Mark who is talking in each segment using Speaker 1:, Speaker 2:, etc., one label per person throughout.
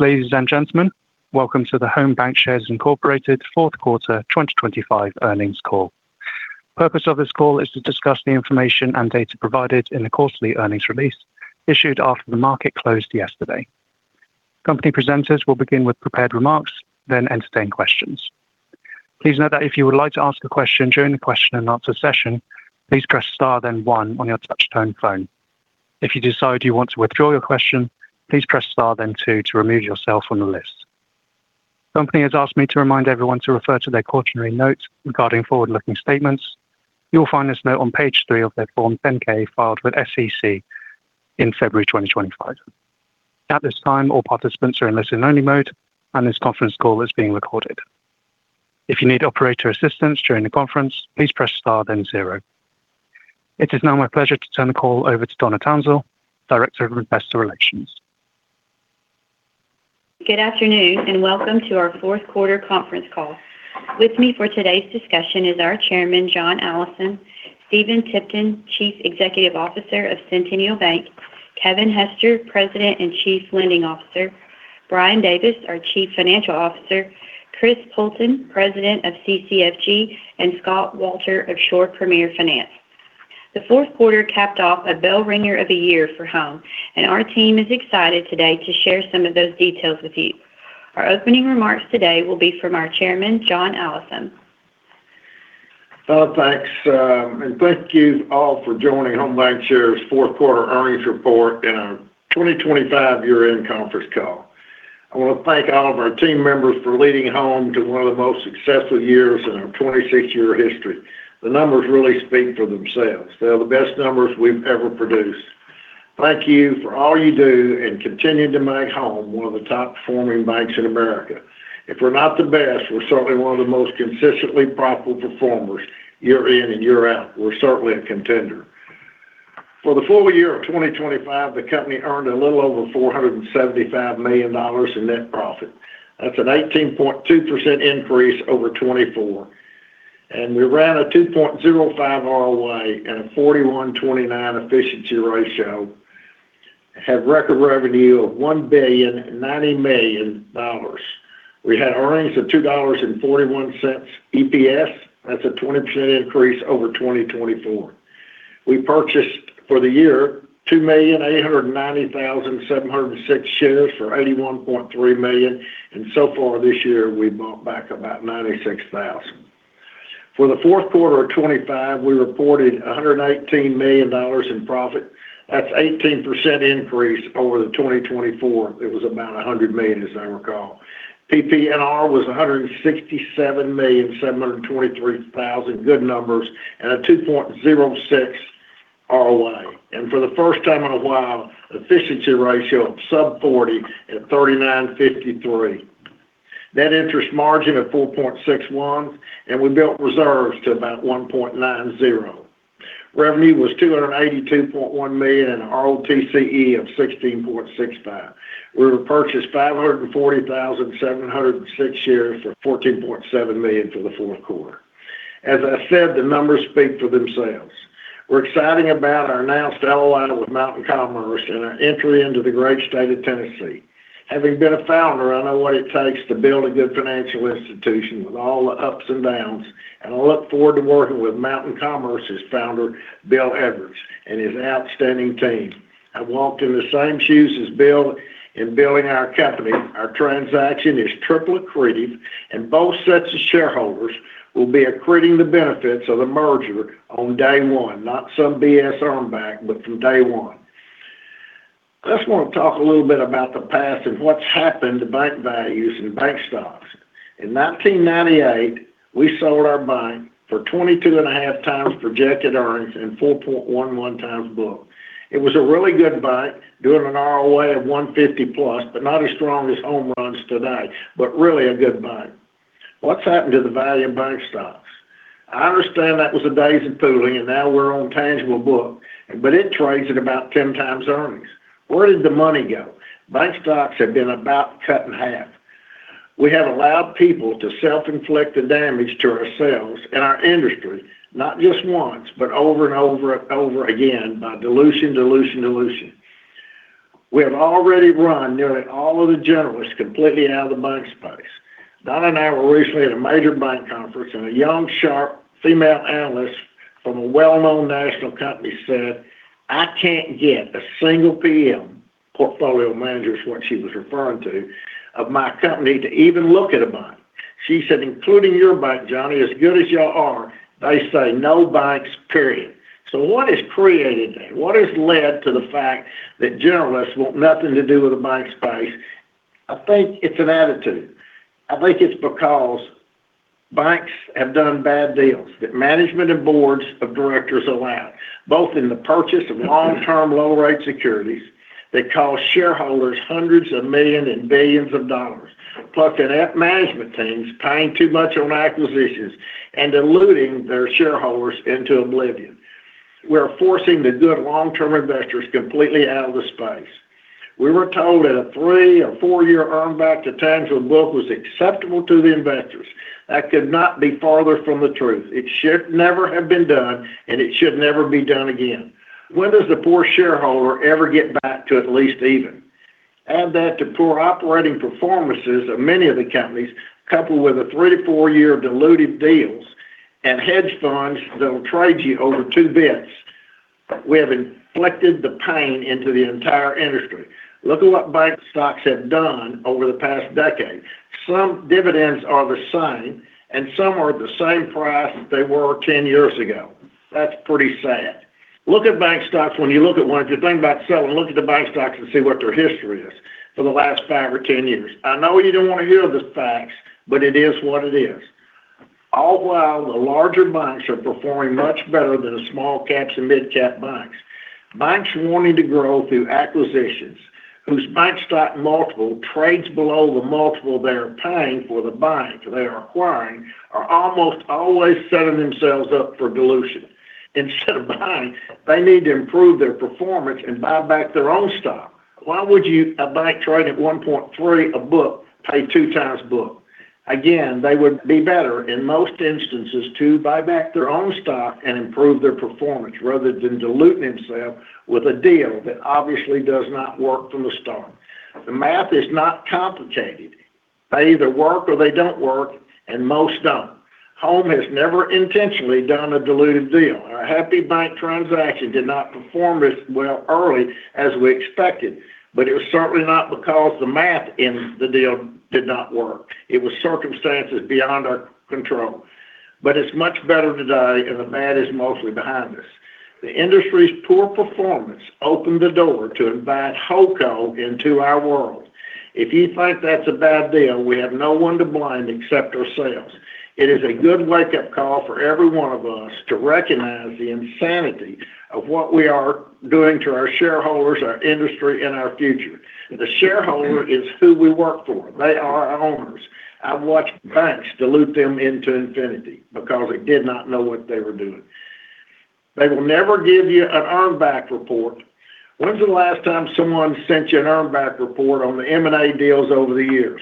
Speaker 1: Ladies and gentlemen, welcome to the Home BancShares Incorporated Fourth Quarter 2025 earnings call. The purpose of this call is to discuss the information and data provided in the quarterly earnings release issued after the market closed yesterday. Company presenters will begin with prepared remarks, then entertain questions. Please note that if you would like to ask a question during the question and answer session, please press star then one on your touch-tone phone. If you decide you want to withdraw your question, please press star then two to remove yourself from the list. The company has asked me to remind everyone to refer to their quarterly notes regarding forward-looking statements. You will find this note on page three of their Form 10-K filed with SEC in February 2025. At this time, all participants are in listen-only mode, and this conference call is being recorded. If you need operator assistance during the conference, please press star then zero. It is now my pleasure to turn the call over to Donna Townsell, Director of Investor Relations.
Speaker 2: Good afternoon and welcome to our Fourth Quarter Conference Call. With me for today's discussion is our Chairman, John Allison, Stephen Tipton, Chief Executive Officer of Centennial Bank, Kevin Hester, President and Chief Lending Officer, Brian Davis, our Chief Financial Officer, Chris Poulton, President of CCFG, and Scott Walter of Shore Premier Finance. The Fourth Quarter capped off a bell ringer of the year for Home, and our team is excited today to share some of those details with you. Our opening remarks today will be from our Chairman, John Allison.
Speaker 3: Thanks, and thank you all for joining Home BancShares ' Fourth Quarter earnings report in our 2025 year-end conference call. I want to thank all of our team members for leading Home to one of the most successful years in our 26-year history. The numbers really speak for themselves. They're the best numbers we've ever produced. Thank you for all you do and continuing to make Home one of the top-performing banks in America. If we're not the best, we're certainly one of the most consistently profitable performers year in and year out. We're certainly a contender. For the full year of 2025, the company earned a little over $475 million in net profit. That's an 18.2% increase over 2024. And we ran a 2.05 ROA and a 41.29% efficiency ratio, had record revenue of $1,090,000. We had earnings of $2.41 EPS. That's a 20% increase over 2024. We purchased for the year 2,890,706 shares for $81.3 million, and so far this year, we bought back about 96,000. For the Fourth Quarter of 2025, we reported $118 million in profit. That's an 18% increase over 2024. It was about $100 million, as I recall. PPNR was $167,723,000, good numbers, and a 2.06% ROA. For the first time in a while, efficiency ratio of sub-40 at 39.53%. Net interest margin of 4.61%, and we built reserves to about 1.90%. Revenue was $282.1 million and an ROTCE of 16.65%. We purchased 540,706 shares for $14.7 million for the Fourth Quarter. As I said, the numbers speak for themselves. We're excited about our announced LOI with Mountain Commerce and our entry into the great state of Tennessee. Having been a founder, I know what it takes to build a good financial institution with all the ups and downs, and I look forward to working with Mountain Commerce's founder, Bill Edwards, and his outstanding team. I walked in the same shoes as Bill in building our company. Our transaction is triple accretive, and both sets of shareholders will be accruing the benefits of the merger on day one, not some BS earn-back, but from day one. I just want to talk a little bit about the past and what's happened to bank values and bank stocks. In 1998, we sold our bank for 22.5x projected earnings and 4.11x book. It was a really good bank, doing an ROA of 150 plus, but not as strong as home runs today, but really a good bank. What's happened to the value of bank stocks? I understand that was a days of pooling, and now we're on tangible book, but it trades at about 10x earnings. Where did the money go? Bank stocks have been about cut in half. We have allowed people to self-inflict the damage to ourselves and our industry, not just once, but over and over and over again by dilution, dilution, dilution. We have already run nearly all of the generalists completely out of the bank space. Donna and I were recently at a major bank conference, and a young, sharp female analyst from a well-known national company said, "I can't get a single PM," Portfolio Manager is what she was referring to, "of my company to even look at a bank." She said, "Including your bank, John, as good as y'all are, they say no banks, period." So what has created that? What has led to the fact that generalists want nothing to do with the bank space? I think it's an attitude. I think it's because banks have done bad deals that management and boards of directors allow, both in the purchase of long-term low-rate securities that cost shareholders hundreds of millions and billions of dollars, plus in management teams paying too much on acquisitions and diluting their shareholders into oblivion. We're forcing the good long-term investors completely out of the space. We were told that a three- or four-year earned back to tangible book was acceptable to the investors. That could not be farther from the truth. It should never have been done, and it should never be done again. When does the poor shareholder ever get back to at least even? Add that to poor operating performances of many of the companies, coupled with a three- to four-year diluted deals and hedge funds that will trade you over two bits. We have inflicted the pain into the entire industry. Look at what bank stocks have done over the past decade. Some dividends are the same, and some are at the same price they were 10 years ago. That's pretty sad. Look at bank stocks. When you look at one, if you're thinking about selling, look at the bank stocks and see what their history is for the last five or 10 years. I know you don't want to hear the facts, but it is what it is. All while the larger banks are performing much better than the small caps and mid-cap banks. Banks wanting to grow through acquisitions, whose bank stock multiple trades below the multiple they are paying for the bank they are acquiring, are almost always setting themselves up for dilution. Instead of buying, they need to improve their performance and buy back their own stock. Why would you, a bank trading at 1.3x book, pay two times book? Again, they would be better in most instances to buy back their own stock and improve their performance rather than diluting themselves with a deal that obviously does not work from the start. The math is not complicated. They either work or they don't work, and most don't. Home has never intentionally done a diluted deal. Our Happy Bank transaction did not perform as well early as we expected, but it was certainly not because the math in the deal did not work. It was circumstances beyond our control. But it's much better today, and the bad is mostly behind us. The industry's poor performance opened the door to invite HOCO into our world. If you think that's a bad deal, we have no one to blame except ourselves. It is a good wake-up call for every one of us to recognize the insanity of what we are doing to our shareholders, our industry, and our future. The shareholder is who we work for. They are our owners. I've watched banks dilute them into infinity because they did not know what they were doing. They will never give you an earned back report. When's the last time someone sent you an earned back report on the M&A deals over the years?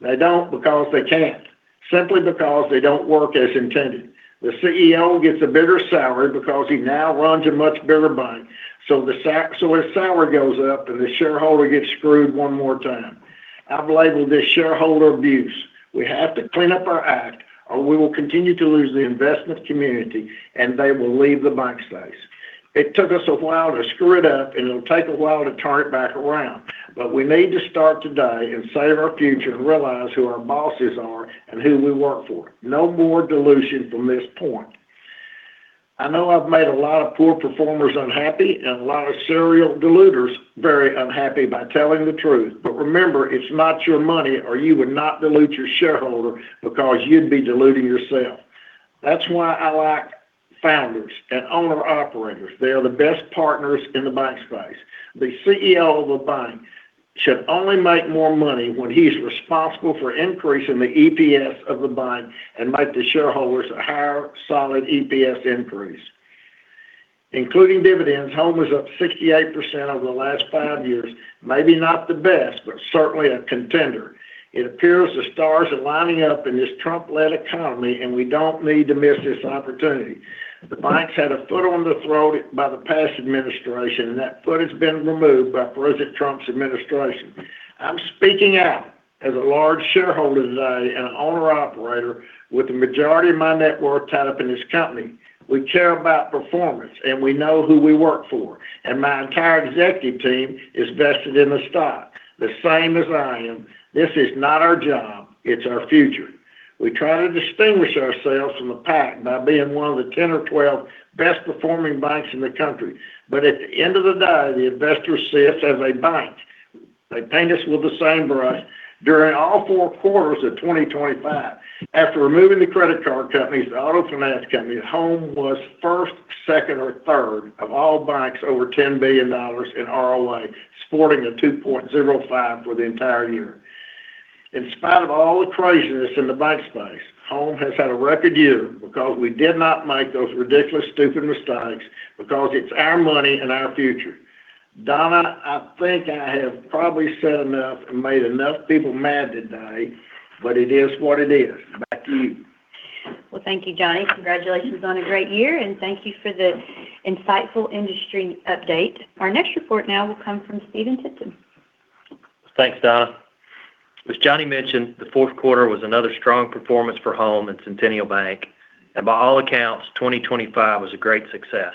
Speaker 3: They don't because they can't, simply because they don't work as intended. The CEO gets a bigger salary because he now runs a much bigger bank, so his salary goes up and the shareholder gets screwed one more time. I've labeled this shareholder abuse. We have to clean up our act or we will continue to lose the investment community and they will leave the bank space. It took us a while to screw it up and it'll take a while to turn it back around, but we need to start today and save our future and realize who our bosses are and who we work for. No more dilution from this point. I know I've made a lot of poor performers unHappy and a lot of serial diluters very unHappy by telling the truth, but remember, it's not your money or you would not dilute your shareholder because you'd be diluting yourself. That's why I like founders and owner-operators. They are the best partners in the bank space. The CEO of a bank should only make more money when he's responsible for increasing the EPS of the bank and make the shareholders a higher, solid EPS increase. Including dividends, Home is up 68% over the last five years. Maybe not the best, but certainly a contender. It appears the stars are lining up in this Trump-led economy and we don't need to miss this opportunity. The banks had a foot on the throat by the past administration and that foot has been removed by President Trump's administration. I'm speaking out as a large shareholder today and an owner-operator with the majority of my net worth tied up in this company. We care about performance and we know who we work for, and my entire executive team is vested in the stock. The same as I am. This is not our job. It's our future. We try to distinguish ourselves from the pack by being one of the 10 or 12 best-performing banks in the country, but at the end of the day, the investors see us as a bank. They paint us with the same brush during all four quarters of 2025. After removing the credit card companies, the auto finance companies, Home was first, second, or third of all banks over $10 billion in ROA, sporting a 2.05 for the entire year. In spite of all the craziness in the bank space, Home has had a record year because we did not make those ridiculous, stupid mistakes because it's our money and our future. Donna, I think I have probably said enough and made enough people mad today, but it is what it is. Back to you.
Speaker 2: Thank you, John. Congratulations on a great year and thank you for the insightful industry update. Our next report now will come from Stephen Tipton.
Speaker 4: Thanks, Donna. As John mentioned, the Fourth Quarter was another strong performance for Home and Centennial Bank, and by all accounts, 2025 was a great success.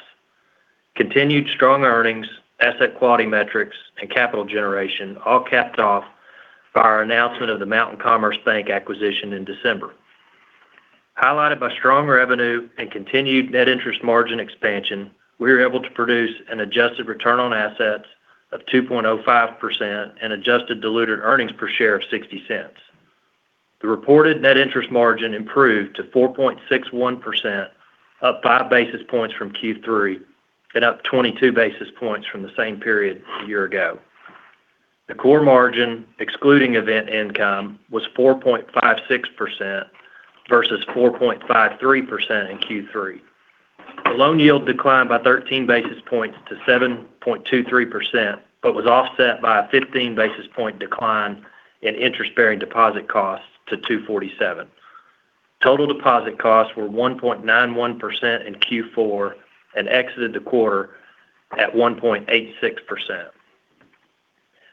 Speaker 4: Continued strong earnings, asset quality metrics, and capital generation all capped off by our announcement of the Mountain Commerce Bank acquisition in December. Highlighted by strong revenue and continued net interest margin expansion, we were able to produce an adjusted return on assets of 2.05% and adjusted diluted earnings per share of $0.60. The reported net interest margin improved to 4.61%, up five basis points from Q3 and up 22 basis points from the same period a year ago. The core margin, excluding event income, was 4.56% versus 4.53% in Q3. The loan yield declined by 13 basis points to 7.23%, but was offset by a 15 basis point decline in interest-bearing deposit costs to 2.47%. Total deposit costs were 1.91% in Q4 and exited the quarter at 1.86%.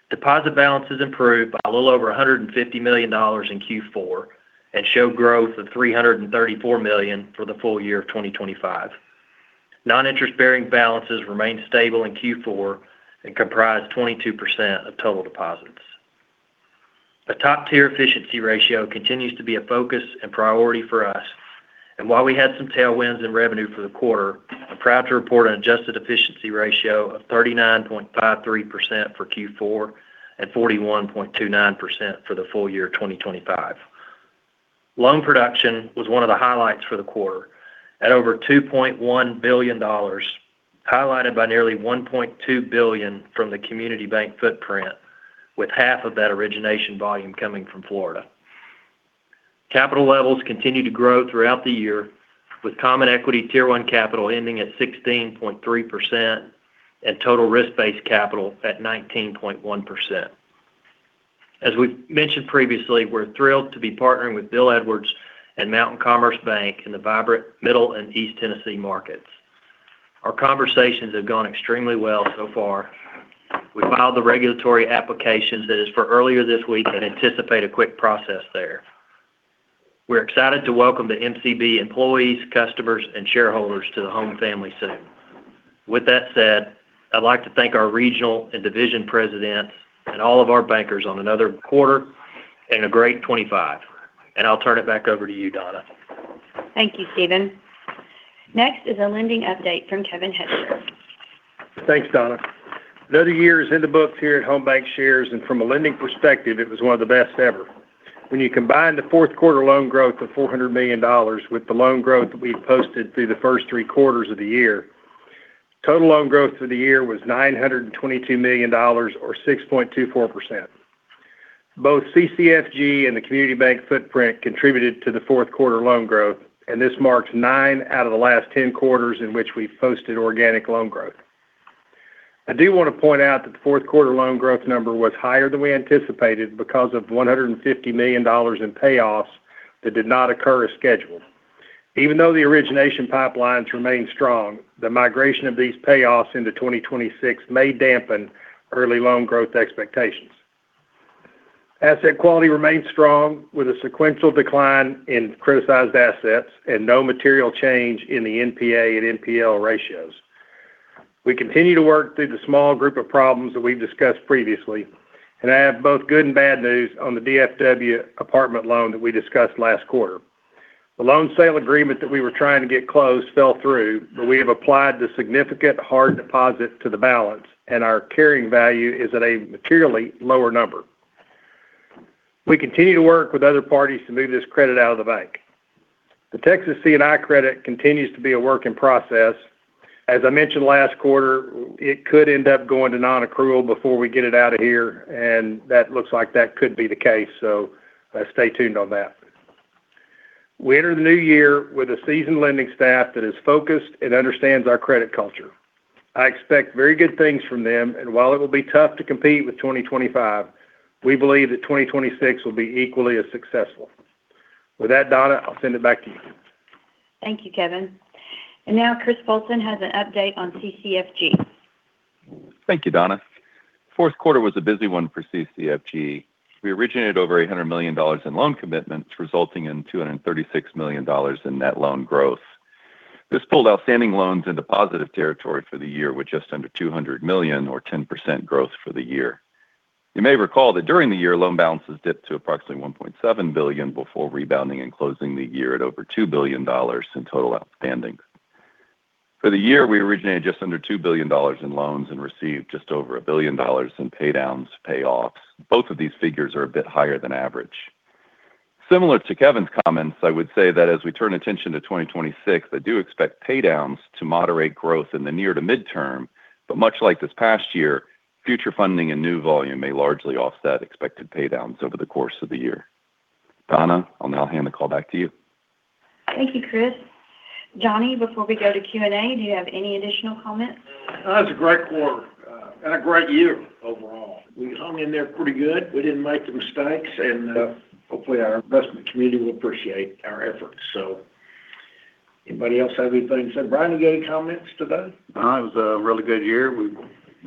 Speaker 4: Deposit balances improved by a little over $150 million in Q4 and showed growth of $334 million for the full year of 2025. Non-interest-bearing balances remained stable in Q4 and comprised 22% of total deposits. A top-tier efficiency ratio continues to be a focus and priority for us, and while we had some tailwinds in revenue for the quarter, I'm proud to report an adjusted efficiency ratio of 39.53% for Q4 and 41.29% for the full year of 2025. Loan production was one of the highlights for the quarter, at over $2.1 billion, highlighted by nearly $1.2 billion from the community bank footprint, with $600 million of that origination volume coming from Florida. Capital levels continued to grow throughout the year, with common equity tier one capital ending at 16.3% and total risk-based capital at 19.1%. As we've mentioned previously, we're thrilled to be partnering with Bill Edwards and Mountain Commerce Bank in the vibrant middle and east Tennessee markets. Our conversations have gone extremely well so far. We filed the regulatory applications that is for earlier this week and anticipate a quick process there. We're excited to welcome the MCB employees, customers, and shareholders to the Home family soon. With that said, I'd like to thank our regional and division presidents and all of our bankers on another quarter and a great 2025, and I'll turn it back over to you, Donna.
Speaker 2: Thank you, Stephen. Next is a lending update from Kevin Hester.
Speaker 5: Thanks, Donna. Another year is in the books here at Home BancShares, and from a lending perspective, it was one of the best ever. When you combine the fourth quarter loan growth of $400 million with the loan growth that we posted through the first three quarters of the year, total loan growth for the year was $922 million or 6.24%. Both CCFG and the community bank footprint contributed to the fourth quarter loan growth, and this marks nine out of the last 10 quarters in which we posted organic loan growth. I do want to point out that the fourth quarter loan growth number was higher than we anticipated because of $150 million in payoffs that did not occur as scheduled. Even though the origination pipelines remained strong, the migration of these payoffs into 2026 may dampen early loan growth expectations. Asset quality remained strong with a sequential decline in criticized assets and no material change in the NPA and NPL ratios. We continue to work through the small group of problems that we've discussed previously, and I have both good and bad news on the DFW apartment loan that we discussed last quarter. The loan sale agreement that we were trying to get closed fell through, but we have applied the significant hard deposit to the balance, and our carrying value is at a materially lower number. We continue to work with other parties to move this credit out of the bank. The Texas C&I credit continues to be a work in process. As I mentioned last quarter, it could end up going to non-accrual before we get it out of here, and that looks like that could be the case, so stay tuned on that. We enter the new year with a seasoned lending staff that is focused and understands our credit culture. I expect very good things from them, and while it will be tough to compete with 2025, we believe that 2026 will be equally as successful. With that, Donna, I'll send it back to you.
Speaker 2: Thank you, Kevin. And now Chris Poulton has an update on CCFG.
Speaker 6: Thank you, Donna. Fourth quarter was a busy one for CCFG. We originated over $800 million in loan commitments, resulting in $236 million in net loan growth. This pulled outstanding loans into positive territory for the year with just under $200 million or 10% growth for the year. You may recall that during the year, loan balances dipped to approximately $1.7 billion before rebounding and closing the year at over $2 billion in total outstanding. For the year, we originated just under $2 billion in loans and received just over $1 billion in paydowns, payoffs. Both of these figures are a bit higher than average. Similar to Kevin's comments, I would say that as we turn attention to 2026, I do expect paydowns to moderate growth in the near to midterm, but much like this past year, future funding and new volume may largely offset expected paydowns over the course of the year. Donna, I'll now hand the call back to you.
Speaker 2: Thank you, Chris. John, before we go to Q&A, do you have any additional comments?
Speaker 3: That was a great quarter and a great year overall. We hung in there pretty good. We didn't make the mistakes, and hopefully our investment community will appreciate our efforts. So anybody else have anything to say? Brian had any comments today?
Speaker 7: It was a really good year. We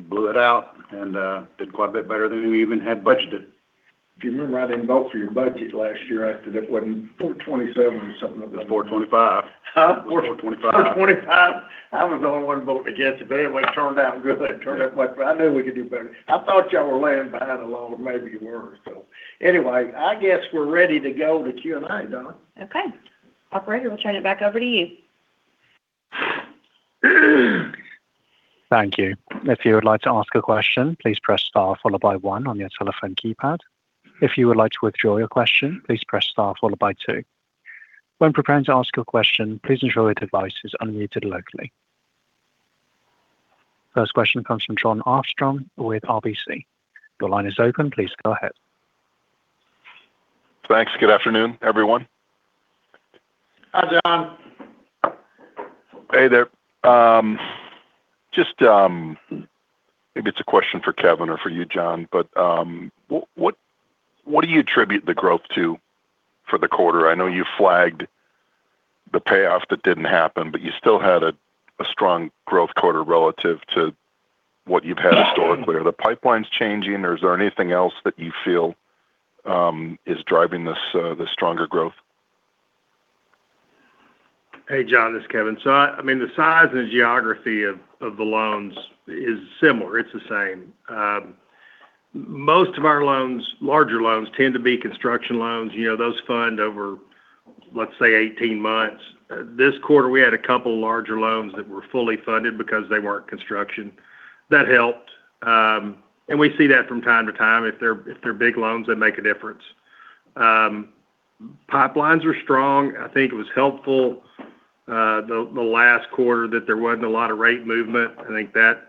Speaker 7: blew it out and did quite a bit better than we even had budgeted.
Speaker 3: Do you remember I didn't vote for your budget last year? I said it wasn't 427 or something like that.
Speaker 7: 425.
Speaker 3: 425.
Speaker 7: I was the only one voting against it, but it turned out good. It turned out much better. I knew we could do better. I thought y'all were laying behind a little or maybe you were. So anyway, I guess we're ready to go to Q&A, Donna.
Speaker 2: Okay. Operator, we'll turn it back over to you.
Speaker 1: Thank you. If you would like to ask a question, please press star followed by one on your telephone keypad. If you would like to withdraw your question, please press star followed by two. When preparing to ask your question, please ensure your device is unmuted locally. First question comes from Jon Arfstrom with RBC. Your line is open. Please go ahead.
Speaker 8: Thanks. Good afternoon, everyone.
Speaker 3: Hi, Jon.
Speaker 8: Hey there. Just maybe it's a question for Kevin or for you, John, but what do you attribute the growth to for the quarter? I know you flagged the payoff that didn't happen, but you still had a strong growth quarter relative to what you've had historically. Are the pipelines changing, or is there anything else that you feel is driving this stronger growth?
Speaker 5: Hey, Jon, this is Kevin. So I mean, the size and the geography of the loans is similar. It's the same. Most of our larger loans tend to be construction loans. Those fund over, let's say, 18 months. This quarter, we had a couple of larger loans that were fully funded because they weren't construction. That helped, and we see that from time to time. If they're big loans, they make a difference. Pipelines were strong. I think it was helpful the last quarter that there wasn't a lot of rate movement. I think that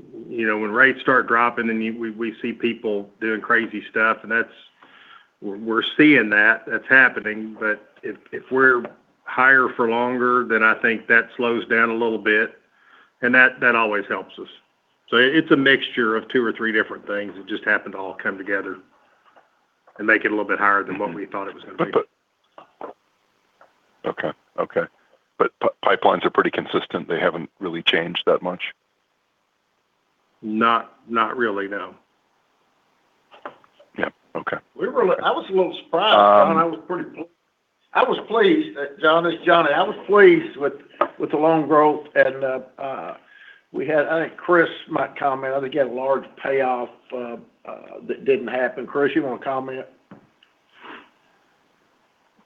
Speaker 5: when rates start dropping, then we see people doing crazy stuff, and we're seeing that. That's happening, but if we're higher for longer, then I think that slows down a little bit, and that always helps us. So it's a mixture of two or three different things. It just happened to all come together and make it a little bit higher than what we thought it was going to be.
Speaker 8: Okay. Okay. But pipelines are pretty consistent. They haven't really changed that much?
Speaker 5: Not really, no.
Speaker 8: Yeah. Okay.
Speaker 3: I was a little surprised. I was pleased. John, I was pleased with the loan growth, and we had, I think Chris might comment. I think you had a large payoff that didn't happen. Chris, you want to comment?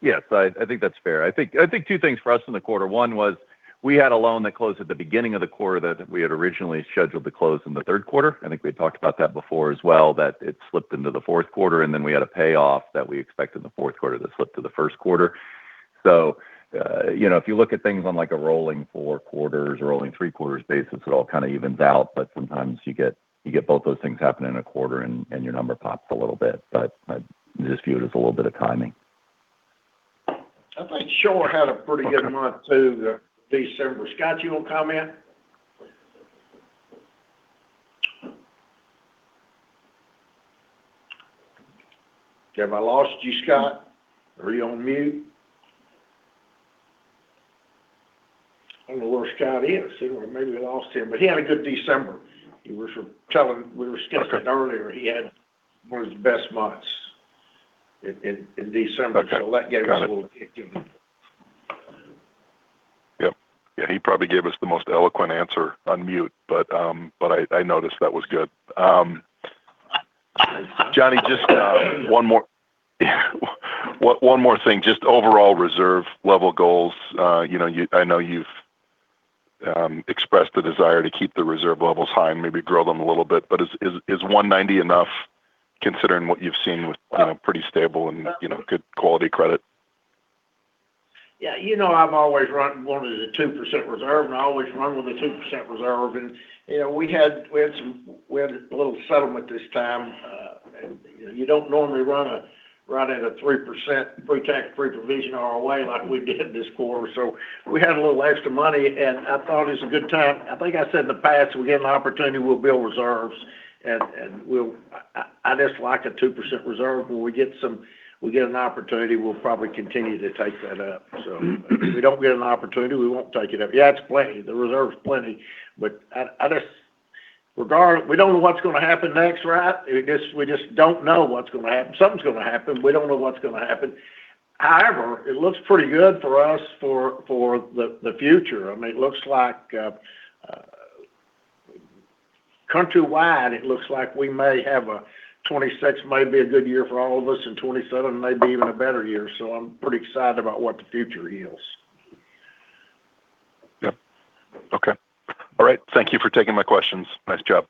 Speaker 6: Yes. I think that's fair. I think two things for us in the quarter. One was we had a loan that closed at the beginning of the quarter that we had originally scheduled to close in the third quarter. I think we had talked about that before as well, that it slipped into the fourth quarter, and then we had a payoff that we expected in the fourth quarter that slipped to the first quarter. So if you look at things on a rolling four quarters or rolling three quarters basis, it all kind of evens out, but sometimes you get both those things happening in a quarter, and your number pops a little bit. But I just view it as a little bit of timing.
Speaker 5: I think Shore had a pretty good month too, December. Scott, you want to comment?
Speaker 6: Kev, I lost you, Scott. Are you on mute? I don't know where Scott is. Maybe we lost him, but he had a good December. We were scheduling earlier. He had one of his best months in December, so that gave us a little kick in the butt.
Speaker 8: Yep. Yeah. He probably gave us the most eloquent answer on mute, but I noticed that was good. John, just one more thing. Just overall reserve level goals. I know you've expressed the desire to keep the reserve levels high and maybe grow them a little bit, but is 190 enough considering what you've seen with pretty stable and good quality credit?
Speaker 3: Yeah. You know I've always run one of the 2% reserve, and I always run with a 2% reserve. And we had a little settlement this time. You don't normally run at a 3% pre-tax pre-provision ROA like we did this quarter. So we had a little extra money, and I thought it was a good time. I think I said in the past, if we get an opportunity, we'll build reserves. And I just like a 2% reserve. When we get an opportunity, we'll probably continue to take that up. So if we don't get an opportunity, we won't take it up. Yeah, it's plenty. The reserve is plenty. But we don't know what's going to happen next, right? We just don't know what's going to happen. Something's going to happen. We don't know what's going to happen. However, it looks pretty good for us for the future. I mean, it looks like countrywide, it looks like we may have a 2026 may be a good year for all of us, and 2027 may be even a better year. So I'm pretty excited about what the future yields.
Speaker 8: Yep. Okay. All right. Thank you for taking my questions. Nice job.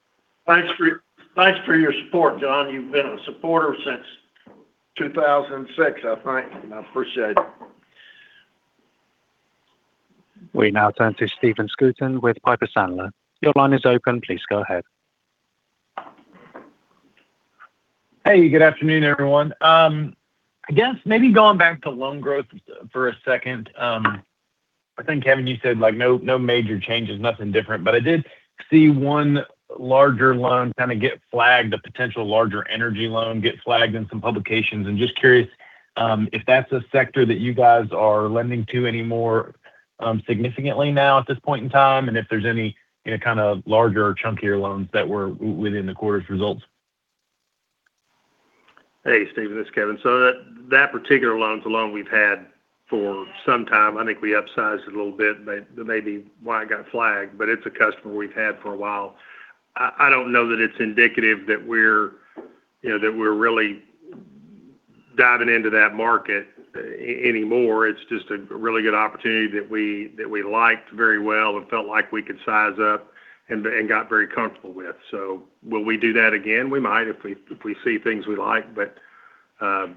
Speaker 3: Thanks for your support, John. You've been a supporter since 2006, I think. I appreciate it.
Speaker 1: We now turn to Stephen Scouten with Piper Sandler. Your line is open. Please go ahead.
Speaker 9: Hey, good afternoon, everyone. I guess maybe going back to loan growth for a second. I think, Kevin, you said no major changes, nothing different, but I did see one larger loan kind of get flagged, a potential larger energy loan get flagged in some publications, and just curious if that's a sector that you guys are lending to any more significantly now at this point in time, and if there's any kind of larger or chunkier loans that were within the quarter's results.
Speaker 5: Hey, Stephen. This is Kevin. So that particular loan's a loan we've had for some time. I think we upsized it a little bit. That may be why it got flagged, but it's a customer we've had for a while. I don't know that it's indicative that we're really diving into that market anymore. It's just a really good opportunity that we liked very well and felt like we could size up and got very comfortable with. So will we do that again? We might if we see things we like, but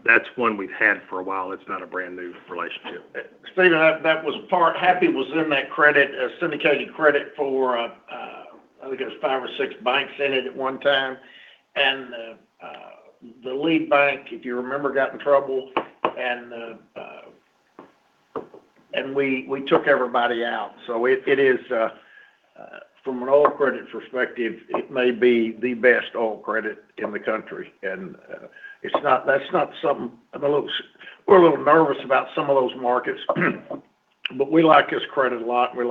Speaker 5: that's one we've had for a while. It's not a brand new relationship.
Speaker 3: Stephen, that was part Happy was in that credit, syndicated credit for, I think it was five or six banks in it at one time. And the lead bank, if you remember, got in trouble, and we took everybody out. So from an all-credit perspective, it may be the best all-credit in the country. And that's not something we're a little nervous about some of those markets, but we like his credit a lot. We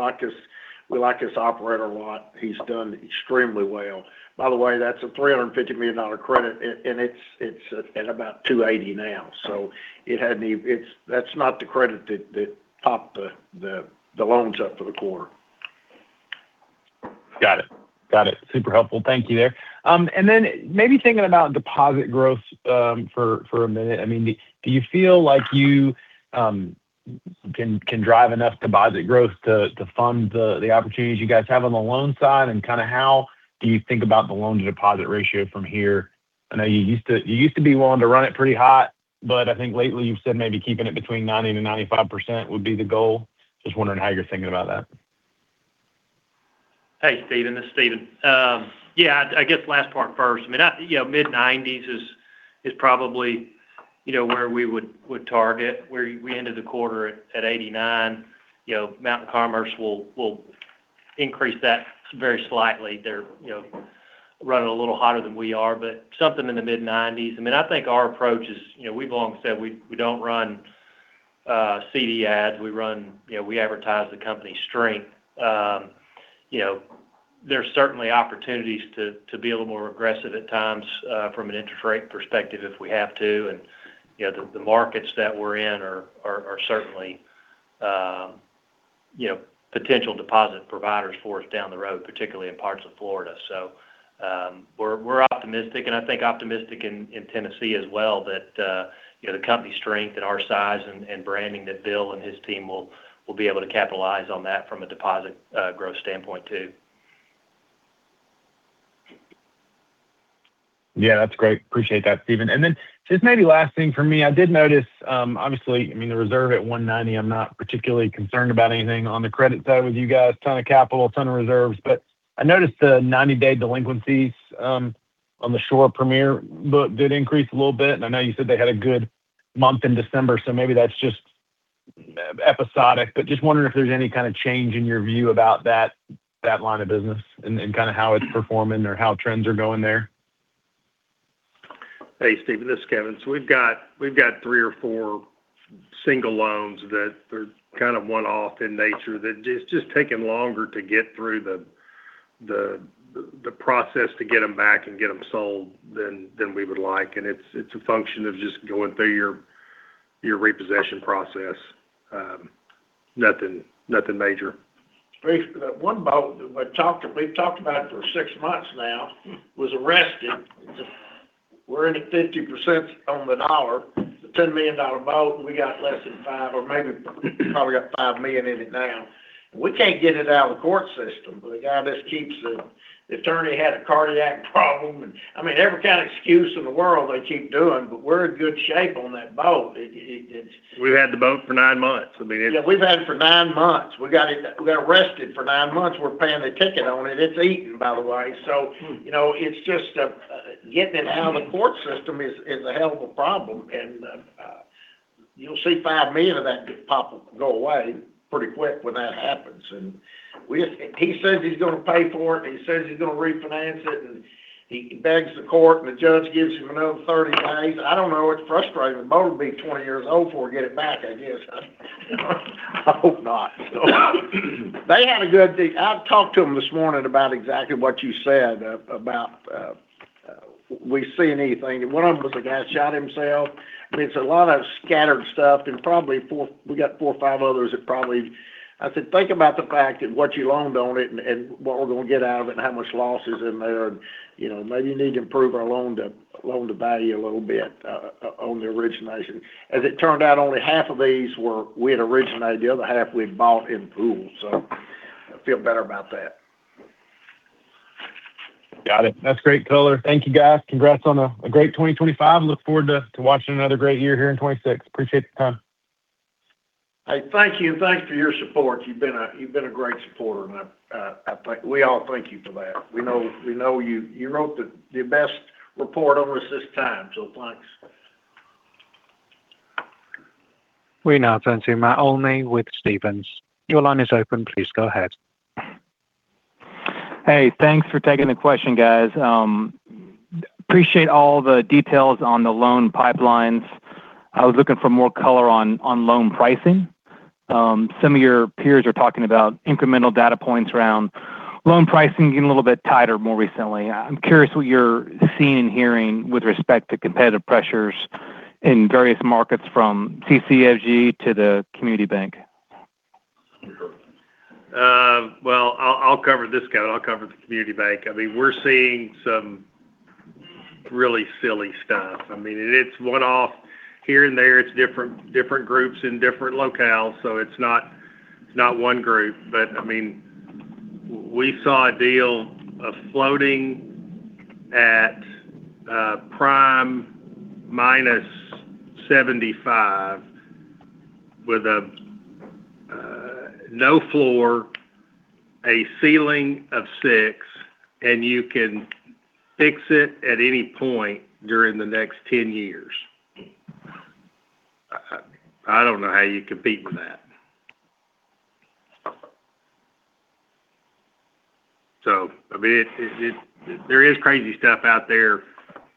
Speaker 3: like his operator a lot. He's done extremely well. By the way, that's a $350 million credit, and it's at about $280 million now. So that's not the credit that topped the loans up for the quarter.
Speaker 9: Got it. Got it. Super helpful. Thank you there. And then maybe thinking about deposit growth for a minute. I mean, do you feel like you can drive enough deposit growth to fund the opportunities you guys have on the loan side? And kind of how do you think about the loan-to-deposit ratio from here? I know you used to be willing to run it pretty hot, but I think lately you've said maybe keeping it between 90% and 95% would be the goal. Just wondering how you're thinking about that.
Speaker 4: Hey, Stephen. This is Stephen. Yeah, I guess last part first. I mean, mid-90% is probably where we would target. We ended the quarter at 89%. Mountain Commerce will increase that very slightly. They're running a little hotter than we are, but something in the mid-90%. I mean, I think our approach is we've long said we don't run CD ads. We advertise the company's strength. There's certainly opportunities to be a little more aggressive at times from an interest rate perspective if we have to. And the markets that we're in are certainly potential deposit providers for us down the road, particularly in parts of Florida. So we're optimistic, and I think optimistic in Tennessee as well that the company's strength and our size and branding that Bill and his team will be able to capitalize on that from a deposit growth standpoint too.
Speaker 9: Yeah, that's great. Appreciate that, Stephen. And then just maybe last thing for me. I did notice, obviously, I mean, the reserve at 190. I'm not particularly concerned about anything on the credit side with you guys. Ton of capital, ton of reserves. But I noticed the 90-day delinquencies on the Shore Premier book did increase a little bit. And I know you said they had a good month in December, so maybe that's just episodic. But just wondering if there's any kind of change in your view about that line of business and kind of how it's performing or how trends are going there.
Speaker 5: Hey, Stephen. This is Kevin, so we've got three or four single loans that are kind of one-off in nature that it's just taken longer to get through the process to get them back and get them sold than we would like, and it's a function of just going through your repossession process. Nothing major.
Speaker 3: One boat that we've talked about for six months now was arrested. We're in at 50% on the dollar, the $10 million boat. We got less than $5 million, or maybe we probably got $5 million in it now. We can't get it out of the court system. The guy just keeps the attorney had a cardiac problem. I mean, every kind of excuse in the world they keep doing, but we're in good shape on that boat.
Speaker 5: We've had the boat for nine months. I mean.
Speaker 3: Yeah, we've had it for nine months. We got arrested for nine months. We're paying a ticket on it. It's eaten, by the way. So it's just getting it out of the court system is a hell of a problem, and you'll see $5 million of that pop up and go away pretty quick when that happens. He says he's going to pay for it, and he says he's going to refinance it, and he begs the court, and the judge gives him another 30 days. I don't know. It's frustrating. The boat will be 20 years old before we get it back, I guess. I hope not. They had a good. I talked to them this morning about exactly what you said about we see anything. One of them was a guy shot himself. I mean, it's a lot of scattered stuff, and probably we got four or five others that probably I said, "Think about the fact that what you loaned on it and what we're going to get out of it and how much loss is in there. And maybe you need to improve our loan to value a little bit on the origination." As it turned out, only half of these were we had originated. The other half we had bought in pools. So I feel better about that.
Speaker 9: Got it. That's great color. Thank you, guys. Congrats on a great 2025. Look forward to watching another great year here in 2026. Appreciate the time.
Speaker 3: Hey, thank you. And thanks for your support. You've been a great supporter, and we all thank you for that. We know you wrote the best report on us this time, so thanks.
Speaker 1: We now turn to Matt Olney with Stephens. Your line is open. Please go ahead.
Speaker 10: Hey, thanks for taking the question, guys. Appreciate all the details on the loan pipelines. I was looking for more color on loan pricing. Some of your peers are talking about incremental data points around loan pricing getting a little bit tighter more recently. I'm curious what you're seeing and hearing with respect to competitive pressures in various markets from CCFG to the Community Bank.
Speaker 5: I'll cover this, Kevin. I'll cover the Community Bank. I mean, we're seeing some really silly stuff. I mean, it's one-off here and there. It's different groups in different locales, so it's not one group. But I mean, we saw a deal of floating at prime minus 75 with a no floor, a ceiling of 6, and you can fix it at any point during the next 10 years. I don't know how you compete with that. So I mean, there is crazy stuff out there.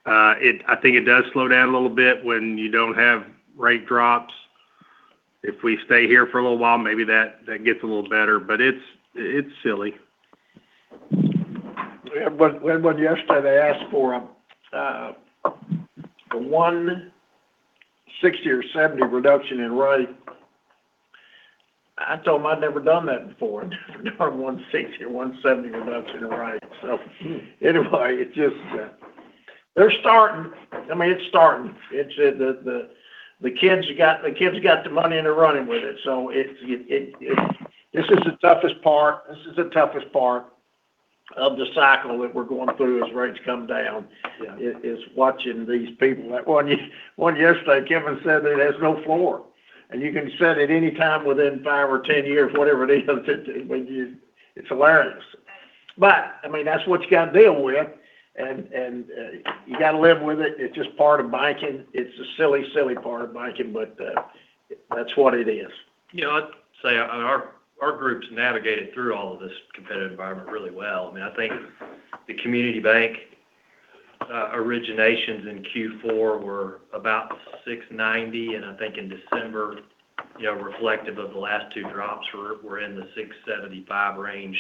Speaker 5: I think it does slow down a little bit when you don't have rate drops. If we stay here for a little while, maybe that gets a little better, but it's silly.
Speaker 3: When yesterday they asked for a 160 or 70 reduction in rate, I told them I'd never done that before. I've never done a 160 or 170 reduction in rate. So anyway, they're starting. I mean, it's starting. The kids got the money, and they're running with it. So this is the toughest part. This is the toughest part of the cycle that we're going through as rates come down is watching these people. One yesterday, Kevin said that it has no floor. And you can set it anytime within five or 10 years, whatever it is. It's hilarious. But I mean, that's what you got to deal with, and you got to live with it. It's just part of banking. It's a silly, silly part of banking, but that's what it is.
Speaker 5: Yeah. I'd say our group's navigated through all of this competitive environment really well. I mean, I think the Community Bank originations in Q4 were about 690, and I think in December, reflective of the last two drops, we're in the 675 range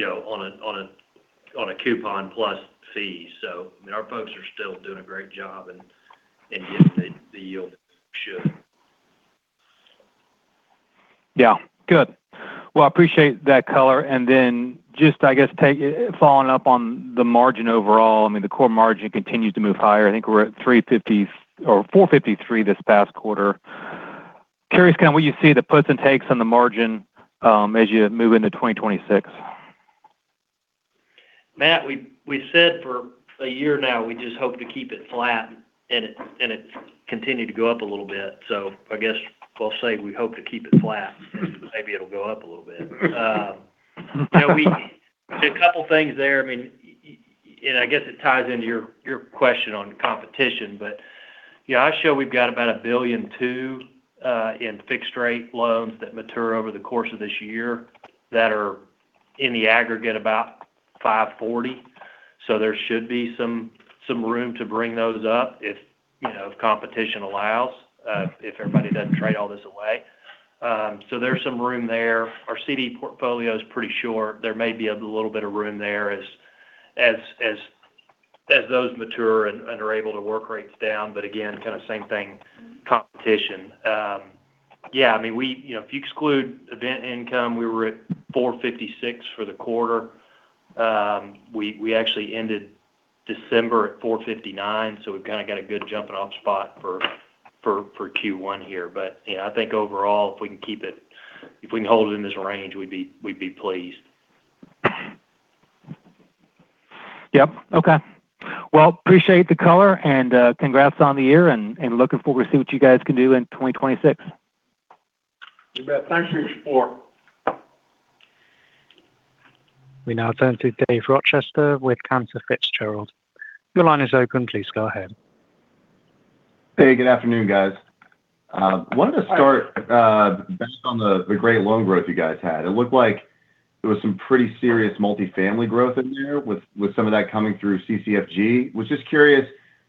Speaker 5: on a coupon plus fees. So I mean, our folks are still doing a great job and getting the yield they should.
Speaker 10: Yeah. Good. Well, I appreciate that color. And then, just, I guess, following up on the margin overall, I mean, the core margin continues to move higher. I think we're at 350 or 453 this past quarter. Curious kind of what you see the puts and takes on the margin as you move into 2026.
Speaker 5: Matt, we said for a year now we just hope to keep it flat, and it's continued to go up a little bit. So I guess we'll say we hope to keep it flat. Maybe it'll go up a little bit. A couple of things there. I mean, and I guess it ties into your question on competition, but I show we've got about $1.2 billion in fixed-rate loans that mature over the course of this year that are in the aggregate about $540 million. So there should be some room to bring those up if competition allows, if everybody doesn't trade all this away. So there's some room there. Our CD portfolio is pretty secure. There may be a little bit of room there as those mature and are able to work rates down. But again, kind of same thing, competition. Yeah. I mean, if you exclude event income, we were at 456 for the quarter. We actually ended December at 459, so we've kind of got a good jumping-off spot for Q1 here. But I think overall, if we can keep it, if we can hold it in this range, we'd be pleased.
Speaker 10: Yep. Okay. Well, appreciate the color, and congrats on the year, and looking forward to see what you guys can do in 2026.
Speaker 3: You bet. Thanks for your support.
Speaker 1: We now turn to David Rochester with Cantor Fitzgerald. Your line is open. Please go ahead.
Speaker 11: Hey, good afternoon, guys. I wanted to start on the great loan growth you guys had. It looked like there was some pretty serious multifamily growth in there with some of that coming through CCFG. I was just curious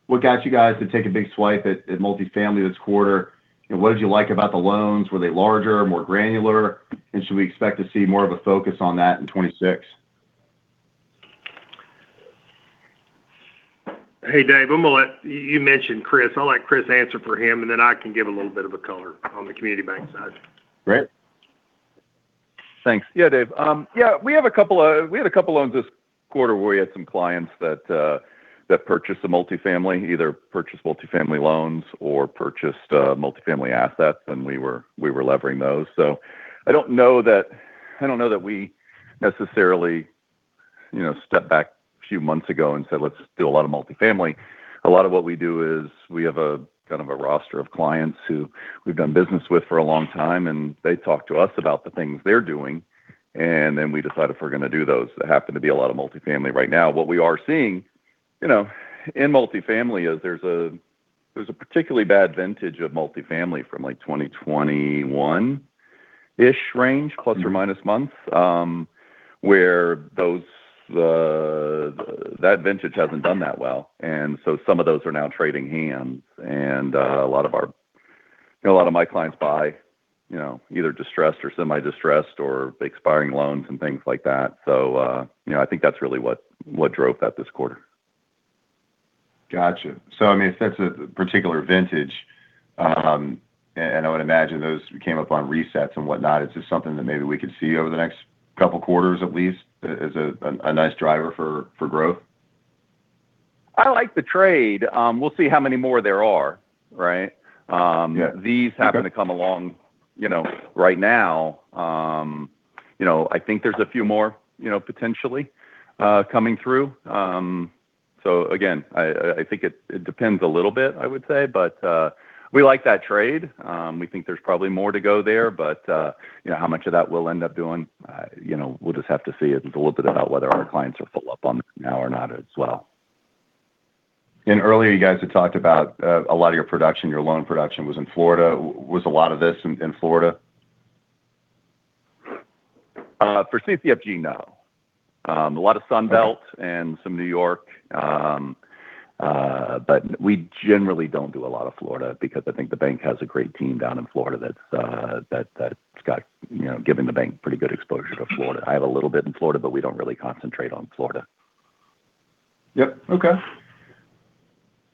Speaker 11: what got you guys to take a big swipe at multifamily this quarter. What did you like about the loans? Were they larger, more granular? And should we expect to see more of a focus on that in '2026?
Speaker 5: Hey, Dave, you mentioned Chris. I'll let Chris answer for him, and then I can give a little bit of a color on the Community Bank side.
Speaker 6: Great. Thanks. Yeah, Dave. Yeah, we had a couple of loans this quarter where we had some clients that purchased the multifamily, either purchased multifamily loans or purchased multifamily assets, and we were levering those. So I don't know that we necessarily stepped back a few months ago and said, "Let's do a lot of multifamily." A lot of what we do is we have a kind of a roster of clients who we've done business with for a long time, and they talk to us about the things they're doing, and then we decide if we're going to do those. There happen to be a lot of multifamily right now. What we are seeing in multifamily is there's a particularly bad vintage of multifamily from like 2021-ish range, plus or minus months, where that vintage hasn't done that well. And so some of those are now trading hands, and a lot of my clients buy either distressed or semi-distressed or expiring loans and things like that. So I think that's really what drove that this quarter. Gotcha. So I mean, if that's a particular vintage, and I would imagine those came up on resets and whatnot, it's just something that maybe we could see over the next couple of quarters at least as a nice driver for growth?
Speaker 5: I like the trade. We'll see how many more there are, right? These happen to come along right now. I think there's a few more potentially coming through. So again, I think it depends a little bit, I would say, but we like that trade. We think there's probably more to go there, but how much of that we'll end up doing, we'll just have to see. It's a little bit about whether our clients are full up on it now or not as well. Earlier, you guys had talked about a lot of your production, your loan production was in Florida. Was a lot of this in Florida?
Speaker 6: For CCFG, no. A lot of Sunbelt and some New York, but we generally don't do a lot of Florida because I think the bank has a great team down in Florida that's given the bank pretty good exposure to Florida. I have a little bit in Florida, but we don't really concentrate on Florida.
Speaker 11: Yep. Okay.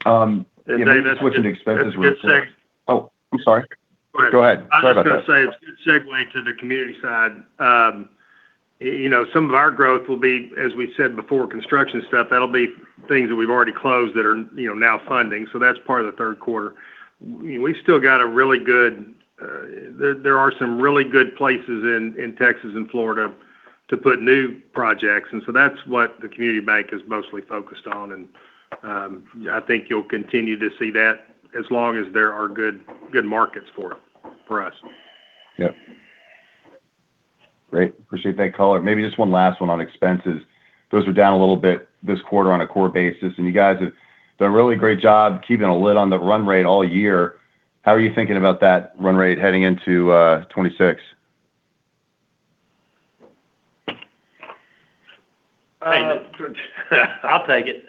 Speaker 11: Which in expenses we're doing.
Speaker 5: It's good to say.
Speaker 11: Oh, I'm sorry.
Speaker 5: Go ahead.
Speaker 11: Go ahead. Sorry about that.
Speaker 5: I was going to say it's a good segue to the community side. Some of our growth will be, as we said before, construction stuff. That'll be things that we've already closed that are now funding. So that's part of the third quarter. We still got a really good. There are some really good places in Texas and Florida to put new projects. And so that's what the Community Bank is mostly focused on. And I think you'll continue to see that as long as there are good markets for us.
Speaker 11: Yep. Great. Appreciate that color. Maybe just one last one on expenses. Those are down a little bit this quarter on a core basis, and you guys have done a really great job keeping a lid on the run rate all year. How are you thinking about that run rate heading into 2026?
Speaker 3: I'll take it.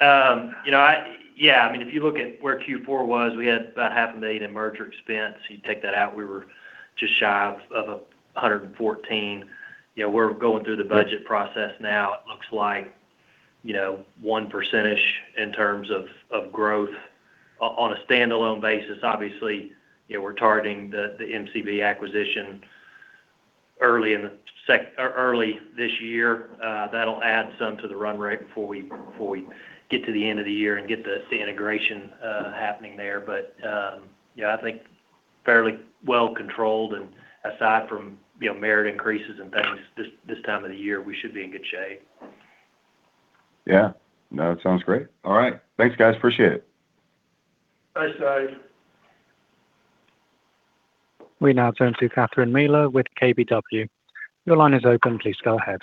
Speaker 3: Yeah. I mean, if you look at where Q4 was, we had about $500,000 in merger expense. You take that out, we were just shy of 114. We're going through the budget process now. It looks like 1%-ish in terms of growth on a standalone basis. Obviously, we're targeting the MCB acquisition early this year. That'll add some to the run rate before we get to the end of the year and get the integration happening there. But I think fairly well controlled. And aside from merit increases and things this time of the year, we should be in good shape.
Speaker 11: Yeah. No, it sounds great. All right. Thanks, guys. Appreciate it.
Speaker 3: Thanks, Dave.
Speaker 1: We now turn to Catherine Mealor with KBW. Your line is open. Please go ahead.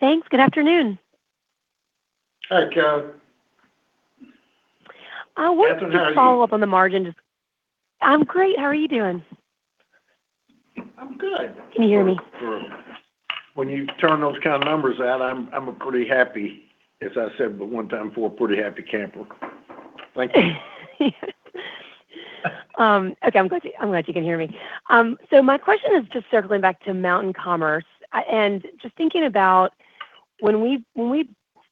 Speaker 12: Thanks. Good afternoon.
Speaker 3: Hey, Kevin.
Speaker 12: What's the follow-up on the margin? I'm great. How are you doing?
Speaker 3: I'm good.
Speaker 12: Can you hear me?
Speaker 3: When you turn those kind of numbers out, I'm pretty Happy, as I said one time before, pretty Happy camper. Thank you.
Speaker 12: Okay. I'm glad you can hear me. So my question is just circling back to Mountain Commerce. And just thinking about when we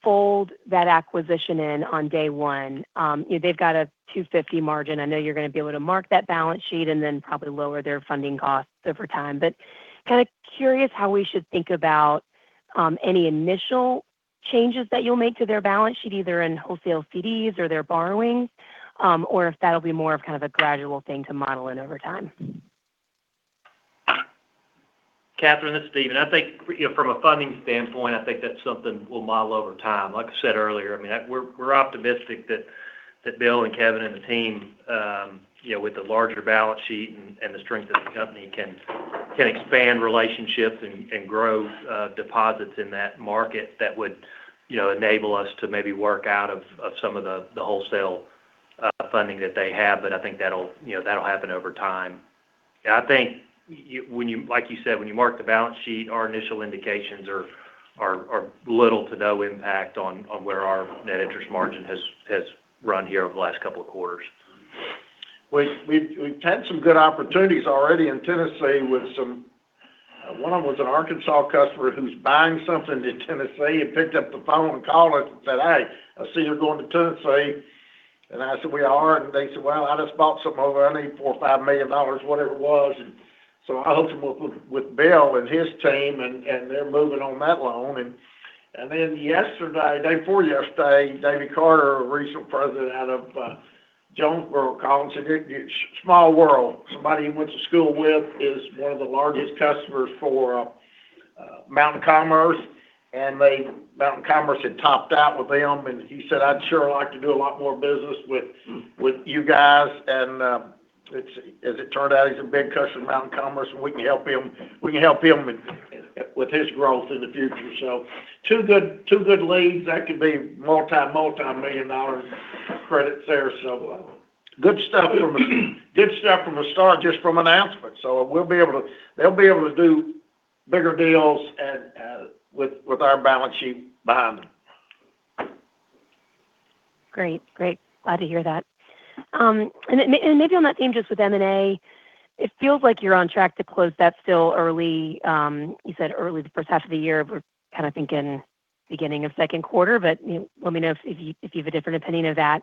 Speaker 12: fold that acquisition in on day one, they've got a 250 margin. I know you're going to be able to mark that balance sheet and then probably lower their funding costs over time. But kind of curious how we should think about any initial changes that you'll make to their balance sheet, either in wholesale CDs or their borrowing, or if that'll be more of kind of a gradual thing to model in over time.
Speaker 4: Catherine and Stephen, I think from a funding standpoint, I think that's something we'll model over time. Like I said earlier, I mean, we're optimistic that Bill and Kevin and the team, with the larger balance sheet and the strength of the company, can expand relationships and grow deposits in that market that would enable us to maybe work out of some of the wholesale funding that they have. But I think that'll happen over time. I think, like you said, when you mark the balance sheet, our initial indications are little to no impact on where our net interest margin has run here over the last couple of quarters.
Speaker 3: We've had some good opportunities already in Tennessee with some. One of them was an Arkansas customer who's buying something in Tennessee and picked up the phone and called us and said, "Hey, I see you're going to Tennessee." And I said, "We are." And they said, "Well, I just bought some over, I need $4-$5 million, whatever it was." And so I hooked them up with Bill and his team, and they're moving on that loan. And then yesterday, day before yesterday, David Carter, a regional president out of Jonesboro, called us, said, "Small world." Somebody he went to school with is one of the largest customers for Mountain Commerce. And Mountain Commerce had topped out with them. He said, "I'd sure like to do a lot more business with you guys." As it turned out, he's a big customer of Mountain Commerce, and we can help him. We can help him with his growth in the future. Two good leads. That could be multimillion-dollar credits there. Good stuff from a start, just from announcement. They'll be able to do bigger deals with our balance sheet behind them.
Speaker 12: Great. Great. Glad to hear that. And maybe on that theme, just with M&A, it feels like you're on track to close that still early. You said early the first half of the year. We're kind of thinking beginning of second quarter, but let me know if you have a different opinion of that.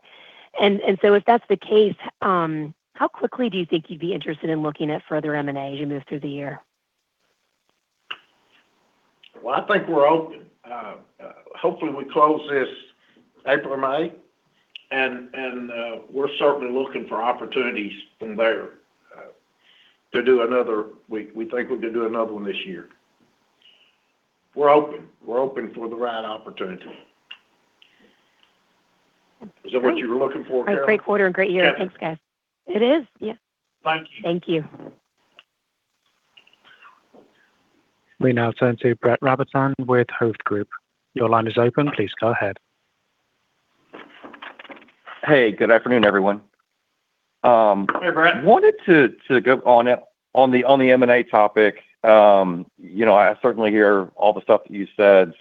Speaker 12: And so if that's the case, how quickly do you think you'd be interested in looking at further M&A as you move through the year?
Speaker 3: I think we're open. Hopefully, we close this April or May, and we're certainly looking for opportunities from there to do another. We think we could do another one this year. We're open. We're open for the right opportunity. Is that what you were looking for, Kevin?
Speaker 12: A great quarter and great year. Thanks, guys. It is. Yeah.
Speaker 3: Thank you.
Speaker 12: Thank you.
Speaker 1: We now turn to Brett Rabatin with Hovde Group. Your line is open. Please go ahead.
Speaker 13: Hey, good afternoon, everyone.
Speaker 3: Hey, Brett.
Speaker 13: Wanted to go on the M&A topic. I certainly hear all the stuff that you said,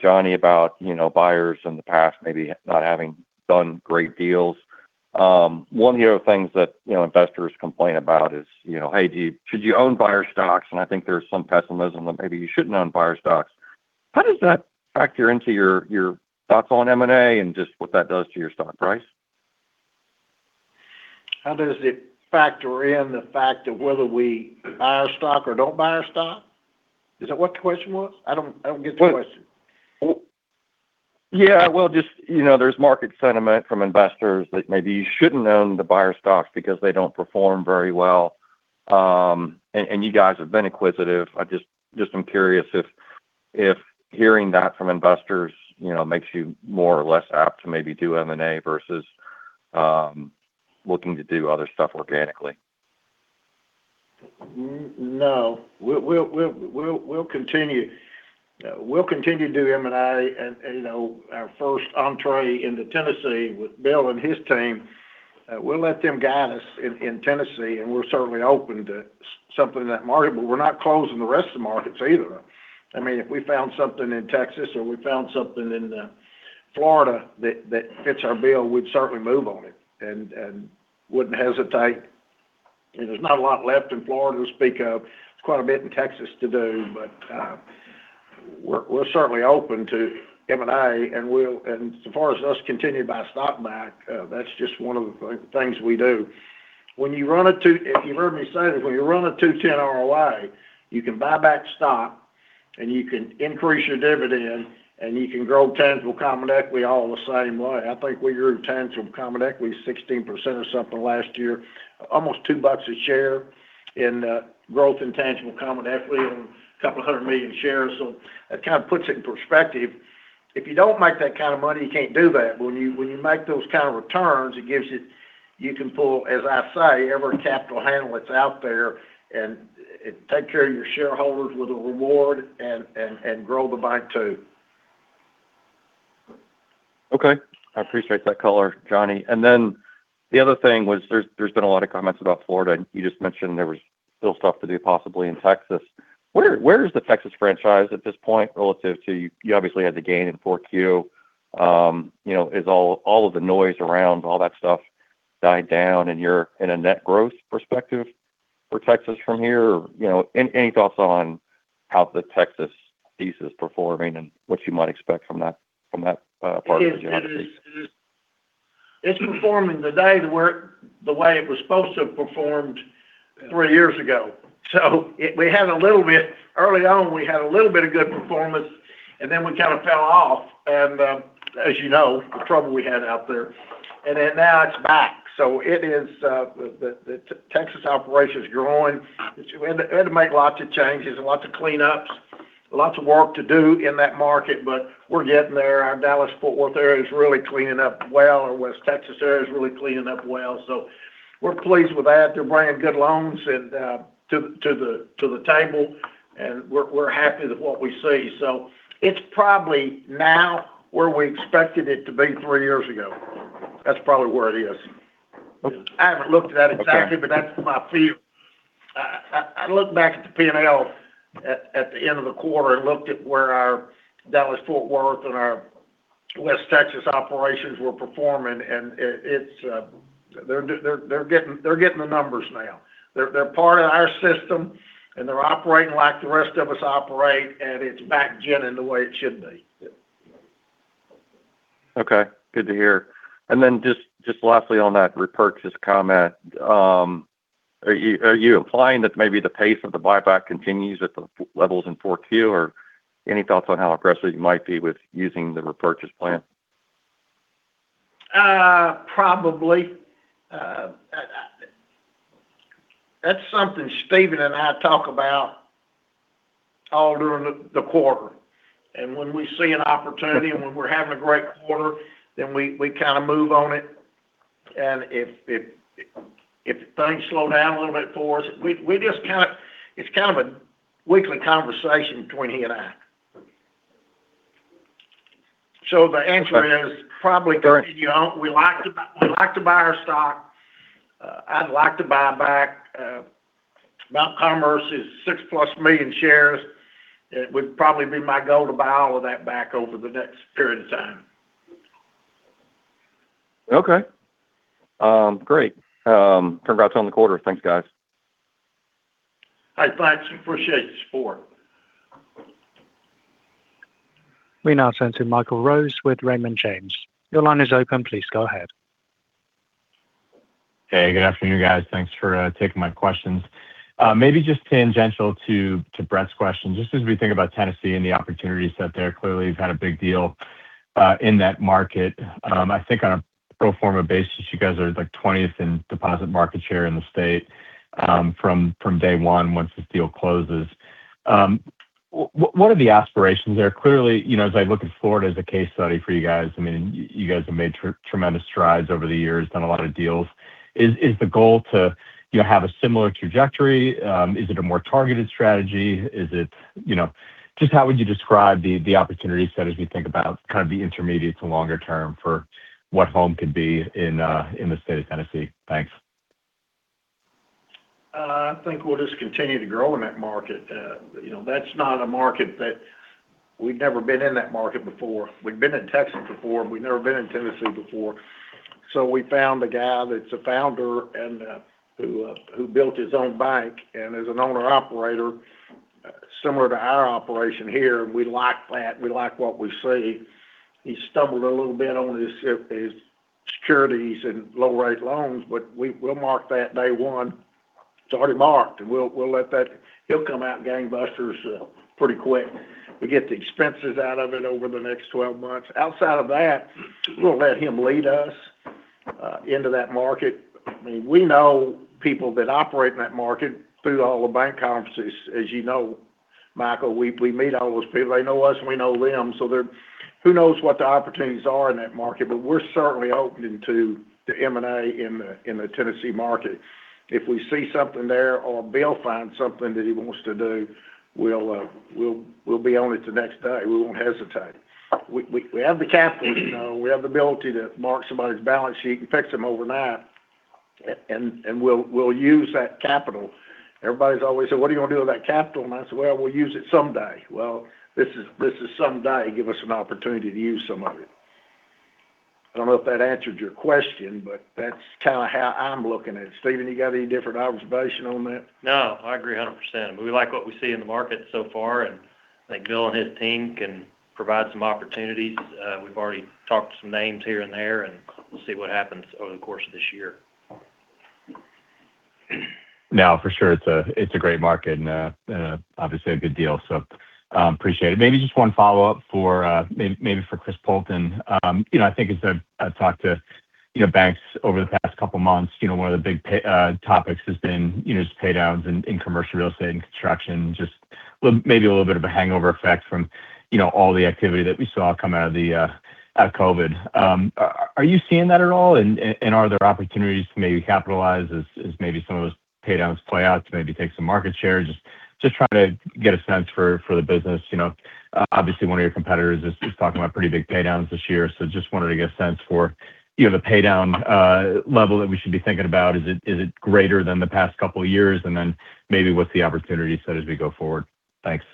Speaker 13: John, about buyers in the past, maybe not having done great deals. One of the other things that investors complain about is, "Hey, should you own buyer stocks?" and I think there's some pessimism that maybe you shouldn't own buyer stocks. How does that factor into your thoughts on M&A and just what that does to your stock price?
Speaker 3: How does it factor in the fact of whether we buy our stock or don't buy our stock? Is that what the question was? I don't get the question.
Speaker 13: Yeah. Well, just there's market sentiment from investors that maybe you shouldn't own the buyer stocks because they don't perform very well. And you guys have been inquisitive. I just am curious if hearing that from investors makes you more or less apt to maybe do M&A versus looking to do other stuff organically?
Speaker 3: No. We'll continue to do M&A and our first entree into Tennessee with Bill and his team. We'll let them guide us in Tennessee, and we're certainly open to something in that market, but we're not closing the rest of the markets either. I mean, if we found something in Texas or we found something in Florida that fits our bill, we'd certainly move on it and wouldn't hesitate, and there's not a lot left in Florida to speak of. There's quite a bit in Texas to do, but we're certainly open to M&A, and so far as us continuing to buy stock back, that's just one of the things we do. When you run a, if you've heard me say this, when you run a 210 ROA, you can buy back stock, and you can increase your dividend, and you can grow tangible common equity all the same way. I think we grew tangible common equity 16% or something last year, almost $2 a share in growth in tangible common equity on a couple of hundred million shares, so it kind of puts it in perspective. If you don't make that kind of money, you can't do that. When you make those kind of returns, it gives you—you can pull, as I say, every capital handle that's out there and take care of your shareholders with a reward and grow the bank too.
Speaker 13: Okay. I appreciate that color, John, and then the other thing was there's been a lot of comments about Florida. You just mentioned there was still stuff to do possibly in Texas. Where is the Texas franchise at this point relative to. You obviously had the gain in 4Q. Has all of the noise around all that stuff died down in a net growth perspective for Texas from here? Any thoughts on how the Texas piece is performing and what you might expect from that part of the geography?
Speaker 3: It is performing today the way it was supposed to have performed three years ago. So we had a little bit early on, we had a little bit of good performance, and then we kind of fell off. And as you know, the trouble we had out there. And now it's back. So it is the Texas operation is growing. We had to make lots of changes and lots of cleanups, lots of work to do in that market, but we're getting there. Our Dallas-Fort Worth area is really cleaning up well, our West Texas area is really cleaning up well. So we're pleased with that. They're bringing good loans to the table, and we're Happy with what we see. So it's probably now where we expected it to be three years ago. That's probably where it is. I haven't looked at that exactly, but that's my feel. I looked back at the P&L at the end of the quarter and looked at where our Dallas-Fort Worth and our West Texas operations were performing, and they're getting the numbers now. They're part of our system, and they're operating like the rest of us operate, and it's back again in the way it should be.
Speaker 13: Okay. Good to hear. And then just lastly on that repurchase comment, are you implying that maybe the pace of the buyback continues at the levels in 4Q, or any thoughts on how aggressive you might be with using the repurchase plan?
Speaker 3: Probably. That's something Stephen and I talk about all during the quarter. And when we see an opportunity and when we're having a great quarter, then we kind of move on it. And if things slow down a little bit for us, we just kind of, it's kind of a weekly conversation between he and I. So the answer is probably continue. We like to buy our stock. I'd like to buy back. Mountain Commerce is 6+ million shares. It would probably be my goal to buy all of that back over the next period of time.
Speaker 13: Okay. Great. Turnaround to end the quarter. Thanks, guys.
Speaker 3: Hey, thanks. Appreciate the support.
Speaker 1: We now turn to Michael Rose with Raymond James. Your line is open. Please go ahead.
Speaker 14: Hey, good afternoon, guys. Thanks for taking my questions. Maybe just tangential to Brett's question. Just as we think about Tennessee and the opportunities that there, clearly you've had a big deal in that market. I think on a pro forma basis, you guys are like 20th in deposit market share in the state from day one once this deal closes. What are the aspirations there? Clearly, as I look at Florida as a case study for you guys, I mean, you guys have made tremendous strides over the years, done a lot of deals. Is the goal to have a similar trajectory? Is it a more targeted strategy? Is it just how would you describe the opportunity set as we think about kind of the intermediate to longer term for what Home could be in the state of Tennessee? Thanks.
Speaker 5: I think we'll just continue to grow in that market. That's a market that we've never been in before. We've been in Texas before. We've never been in Tennessee before. So we found a guy that's a founder and who built his own bank and is an owner-operator similar to our operation here. We like that. We like what we see. He stumbled a little bit on his securities and low-rate loans, but we'll mark that day one. It's already marked, and we'll let that. He'll come out gangbusters pretty quick. We get the expenses out of it over the next 12 months. Outside of that, we'll let him lead us into that market. I mean, we know people that operate in that market through all the bank conferences. As you know, Michael, we meet all those people. They know us, and we know them. So who knows what the opportunities are in that market? But we're certainly open to M&A in the Tennessee market. If we see something there or Bill finds something that he wants to do, we'll be on it the next day. We won't hesitate. We have the capital. We have the ability to mark somebody's balance sheet and fix them overnight, and we'll use that capital. Everybody's always said, "What are you going to do with that capital?" And I said, "Well, we'll use it someday." Well, this is someday. Give us an opportunity to use some of it. I don't know if that answered your question, but that's kind of how I'm looking at it. Stephen, you got any different observation on that?
Speaker 4: No, I agree 100%. We like what we see in the market so far, and I think Bill and his team can provide some opportunities. We've already talked to some names here and there, and we'll see what happens over the course of this year.
Speaker 14: Now, for sure, it's a great market and obviously a good deal. So appreciate it. Maybe just one follow-up maybe for Chris Poulton. I think as I've talked to banks over the past couple of months, one of the big topics has been just paydowns in commercial real estate and construction, just maybe a little bit of a hangover effect from all the activity that we saw come out of COVID. Are you seeing that at all? And are there opportunities to maybe capitalize as maybe some of those paydowns play out to maybe take some market share? Just trying to get a sense for the business. Obviously, one of your competitors is talking about pretty big paydowns this year. So just wanted to get a sense for the paydown level that we should be thinking about. Is it greater than the past couple of years? Then maybe what's the opportunity set as we go forward?
Speaker 6: Thanks.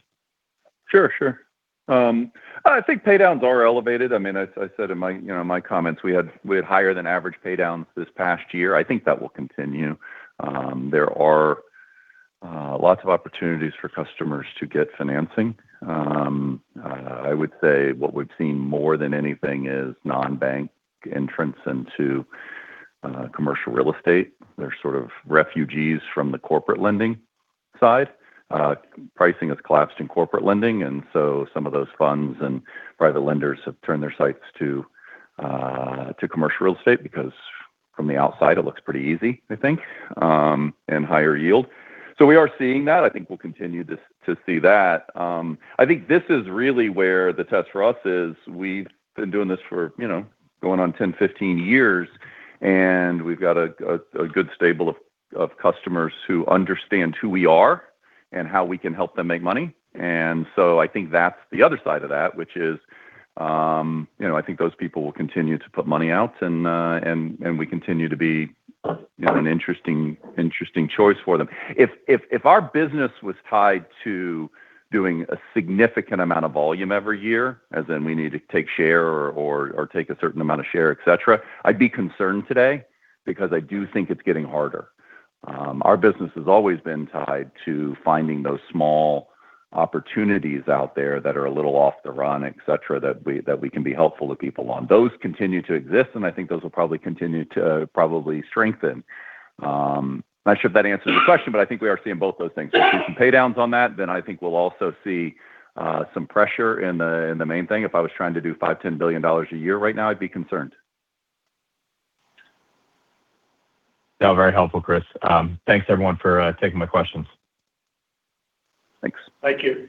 Speaker 6: Sure. Sure. I think paydowns are elevated. I mean, as I said in my comments, we had higher than average paydowns this past year. I think that will continue. There are lots of opportunities for customers to get financing. I would say what we've seen more than anything is non-bank entrants into commercial real estate. They're sort of refugees from the corporate lending side. Pricing has collapsed in corporate lending, and so some of those funds and private lenders have turned their sights to commercial real estate because from the outside, it looks pretty easy, I think, and higher yield. So we are seeing that. I think we'll continue to see that. I think this is really where the test for us is. We've been doing this for going on 10, 15 years, and we've got a good stable of customers who understand who we are and how we can help them make money. And so I think that's the other side of that, which is I think those people will continue to put money out, and we continue to be an interesting choice for them. If our business was tied to doing a significant amount of volume every year, as in we need to take share or take a certain amount of share, etc., I'd be concerned today because I do think it's getting harder. Our business has always been tied to finding those small opportunities out there that are a little off the run, etc., that we can be helpful to people on. Those continue to exist, and I think those will probably continue to strengthen. I'm not sure if that answers the question, but I think we are seeing both those things. If we can pay downs on that, then I think we'll also see some pressure in the main thing. If I was trying to do $5-$10 billion a year right now, I'd be concerned.
Speaker 14: Yeah. Very helpful, Chris. Thanks, everyone, for taking my questions.
Speaker 1: Thanks.
Speaker 3: Thank you.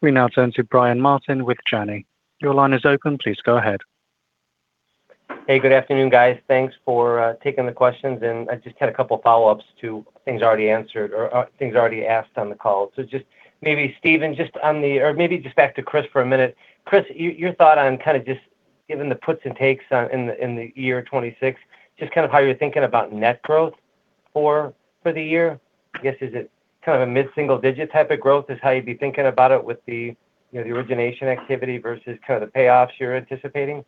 Speaker 1: We now turn to Brian Martin with Janney Montgomery Scott. Your line is open. Please go ahead.
Speaker 15: Hey, good afternoon, guys. Thanks for taking the questions. And I just had a couple of follow-ups to things already answered or things already asked on the call. So just maybe, Stephen, just on the or maybe just back to Chris for a minute. Chris, your thought on kind of just given the puts and takes in the year '2026, just kind of how you're thinking about net growth for the year. I guess is it kind of a mid-single-digit type of growth is how you'd be thinking about it with the origination activity versus kind of the payoffs you're anticipating?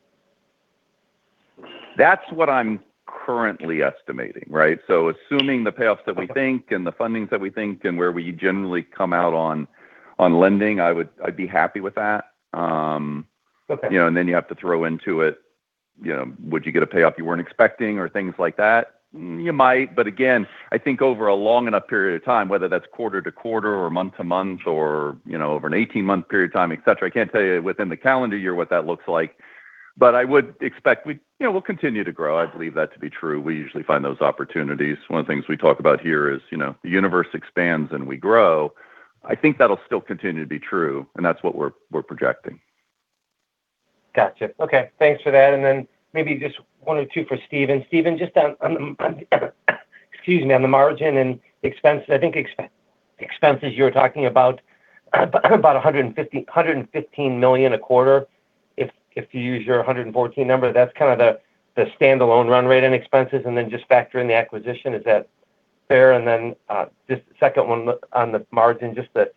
Speaker 6: That's what I'm currently estimating, right, so assuming the payoffs that we think and the fundings that we think and where we generally come out on lending, I'd be Happy with that, and then you have to throw into it, would you get a payoff you weren't expecting or things like that? You might, but again, I think over a long enough period of time, whether that's quarter to quarter or month to month or over an 18-month period of time, etc., I can't tell you within the calendar year what that looks like, but I would expect we'll continue to grow. I believe that to be true. We usually find those opportunities. One of the things we talk about here is the universe expands and we grow. I think that'll still continue to be true, and that's what we're projecting.
Speaker 15: Gotcha. Okay. Thanks for that. And then maybe just one or two for Stephen. Stephen, just on the excuse me, on the margin and expenses, I think expenses you were talking about, about $115 million a quarter. If you use your $114 number, that's kind of the standalone run rate and expenses, and then just factor in the acquisition. Is that fair? And then just the second one on the margin, just the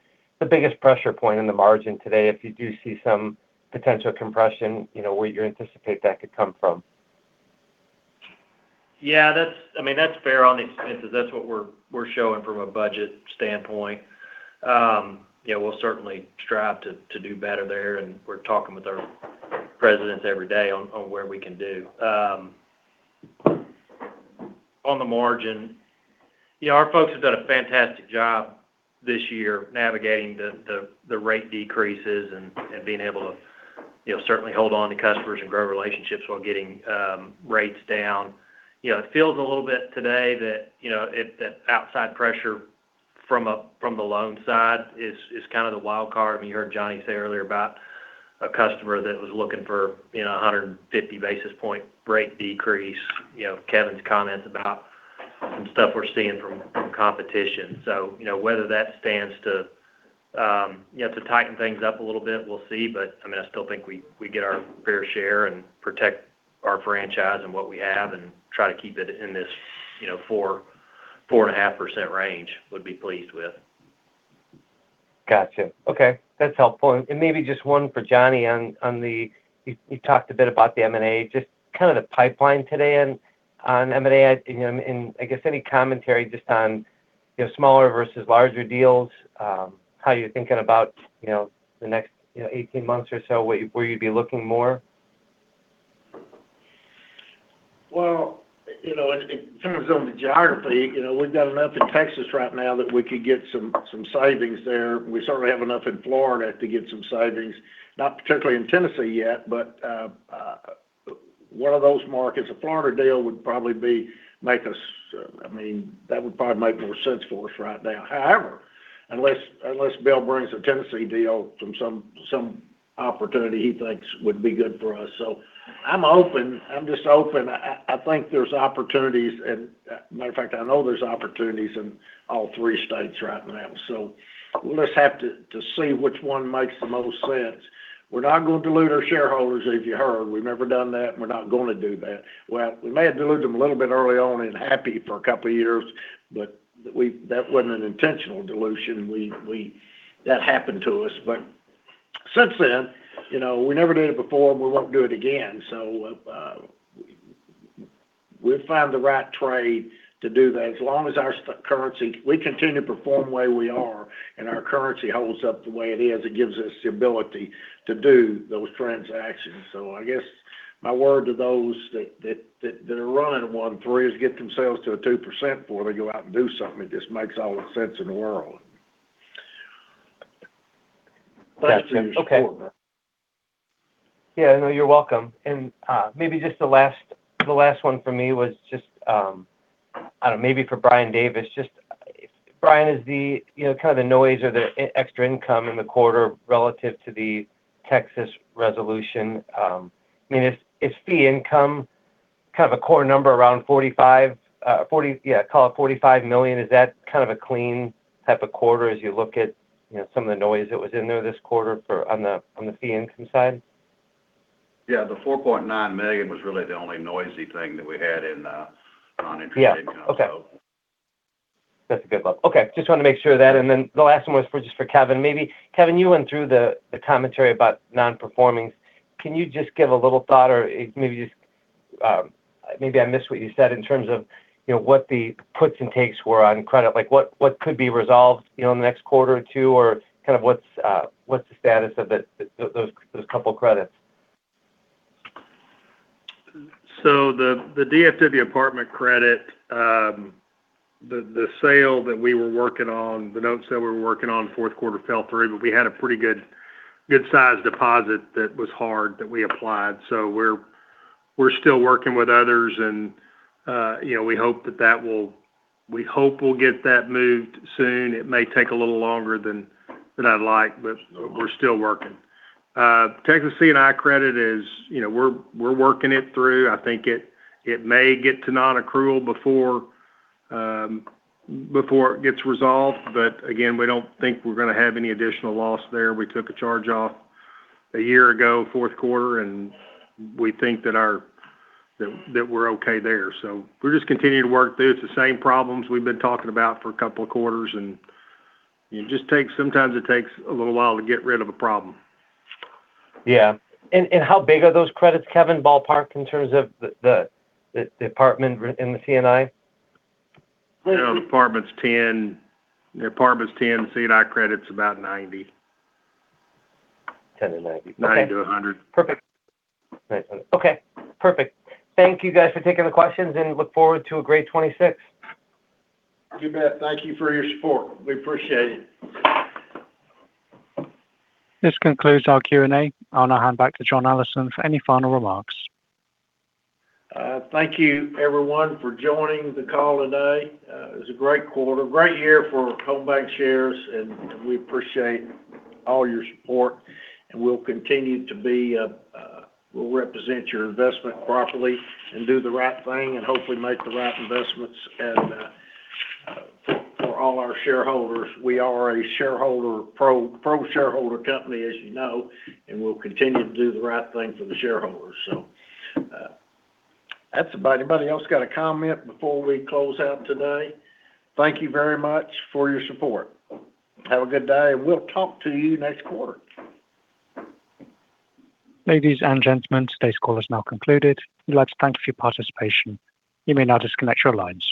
Speaker 15: biggest pressure point in the margin today, if you do see some potential compression, where you anticipate that could come from?
Speaker 4: Yeah. I mean, that's fair on the expenses. That's what we're showing from a budget standpoint. We'll certainly strive to do better there, and we're talking with our presidents every day on where we can do. On the margin, our folks have done a fantastic job this year navigating the rate decreases and being able to certainly hold on to customers and grow relationships while getting rates down. It feels a little bit today that outside pressure from the loan side is kind of the wild card. I mean, you heard John say earlier about a customer that was looking for a 150 basis points rate decrease, Kevin's comments about some stuff we're seeing from competition. So whether that stands to tighten things up a little bit, we'll see. but I mean, I still think we get our fair share and protect our franchise and what we have and try to keep it in this 4.5% range would be pleased with.
Speaker 15: Gotcha. Okay. That's helpful. And maybe just one for John on the you talked a bit about the M&A, just kind of the pipeline today on M&A. And I guess any commentary just on smaller versus larger deals, how you're thinking about the next 18 months or so, where you'd be looking more?
Speaker 3: In terms of the geography, we've got enough in Texas right now that we could get some savings there. We certainly have enough in Florida to get some savings, not particularly in Tennessee yet, but one of those markets, a Florida deal would probably make us. I mean, that would probably make more sense for us right now. However, unless Bill brings a Tennessee deal from some opportunity he thinks would be good for us. So I'm open. I'm just open. I think there's opportunities. And matter of fact, I know there's opportunities in all three states right now. So we'll just have to see which one makes the most sense. We're not going to dilute our shareholders, as you heard. We've never done that, and we're not going to do that. Well, we may have diluted them a little bit early on and Happy for a couple of years, but that wasn't an intentional dilution. That happened to us. But since then, we never did it before, and we won't do it again. So we'll find the right trade to do that as long as our currency we continue to perform the way we are, and our currency holds up the way it is. It gives us the ability to do those transactions. So I guess my word to those that are running 1.3% is get themselves to a 2% before they go out and do something. It just makes all the sense in the world.
Speaker 15: Thank you. Okay. Yeah. No, you're welcome. And maybe just the last one for me was just, I don't know, maybe for Brian Davis. Just Brian, is kind of the noise or the extra income in the quarter relative to the Texas resolution. I mean, is fee income kind of a core number around $45 million? Yeah. Call it $45 million. Is that kind of a clean type of quarter as you look at some of the noise that was in there this quarter on the fee income side?
Speaker 7: Yeah. The $4.9 million was really the only noisy thing that we had in non-interest income, so.
Speaker 15: Yeah. Okay. That's a good look. Okay. Just wanted to make sure of that. And then the last one was just for Kevin. Maybe Kevin, you went through the commentary about non-performing. Can you just give a little thought or maybe just maybe I missed what you said in terms of what the puts and takes were on credit, what could be resolved in the next quarter or two, or kind of what's the status of those couple of credits?
Speaker 5: So, the DFW apartment credit, the sale that we were working on, the notes that we were working on, fourth quarter fell through, but we had a pretty good size deposit that was hard that we applied. So we're still working with others, and we hope we'll get that moved soon. It may take a little longer than I'd like, but we're still working. Texas C&I credit, we're working it through. I think it may get to non-accrual before it gets resolved. But again, we don't think we're going to have any additional loss there. We took a charge off a year ago, fourth quarter, and we think that we're okay there. So we're just continuing to work through. It's the same problems we've been talking about for a couple of quarters. And sometimes it takes a little while to get rid of a problem.
Speaker 15: Yeah. And how big are those credits, Kevin, ballpark in terms of the apartment and the C&I?
Speaker 5: The apartment's 10. C&I credit's about 90.
Speaker 15: 10 to 90.
Speaker 5: 90 to 100.
Speaker 15: Perfect. Okay. Perfect. Thank you, guys, for taking the questions, and look forward to a great '2026.
Speaker 3: You bet. Thank you for your support. We appreciate it.
Speaker 1: This concludes our Q&A. I'll now hand back to John Allison for any final remarks.
Speaker 3: Thank you, everyone, for joining the call today. It was a great quarter, a great year for Home BancShares, and we appreciate all your support. We'll continue to be. We'll represent your investment properly and do the right thing and hopefully make the right investments. For all our shareholders, we are a shareholder pro-shareholder company, as you know, and we'll continue to do the right thing for the shareholders. That's about it. Anybody else got a comment before we close out today? Thank you very much for your support. Have a good day, and we'll talk to you next quarter.
Speaker 1: Ladies and gentlemen, today's call is now concluded. We'd like to thank you for your participation. You may now disconnect your lines.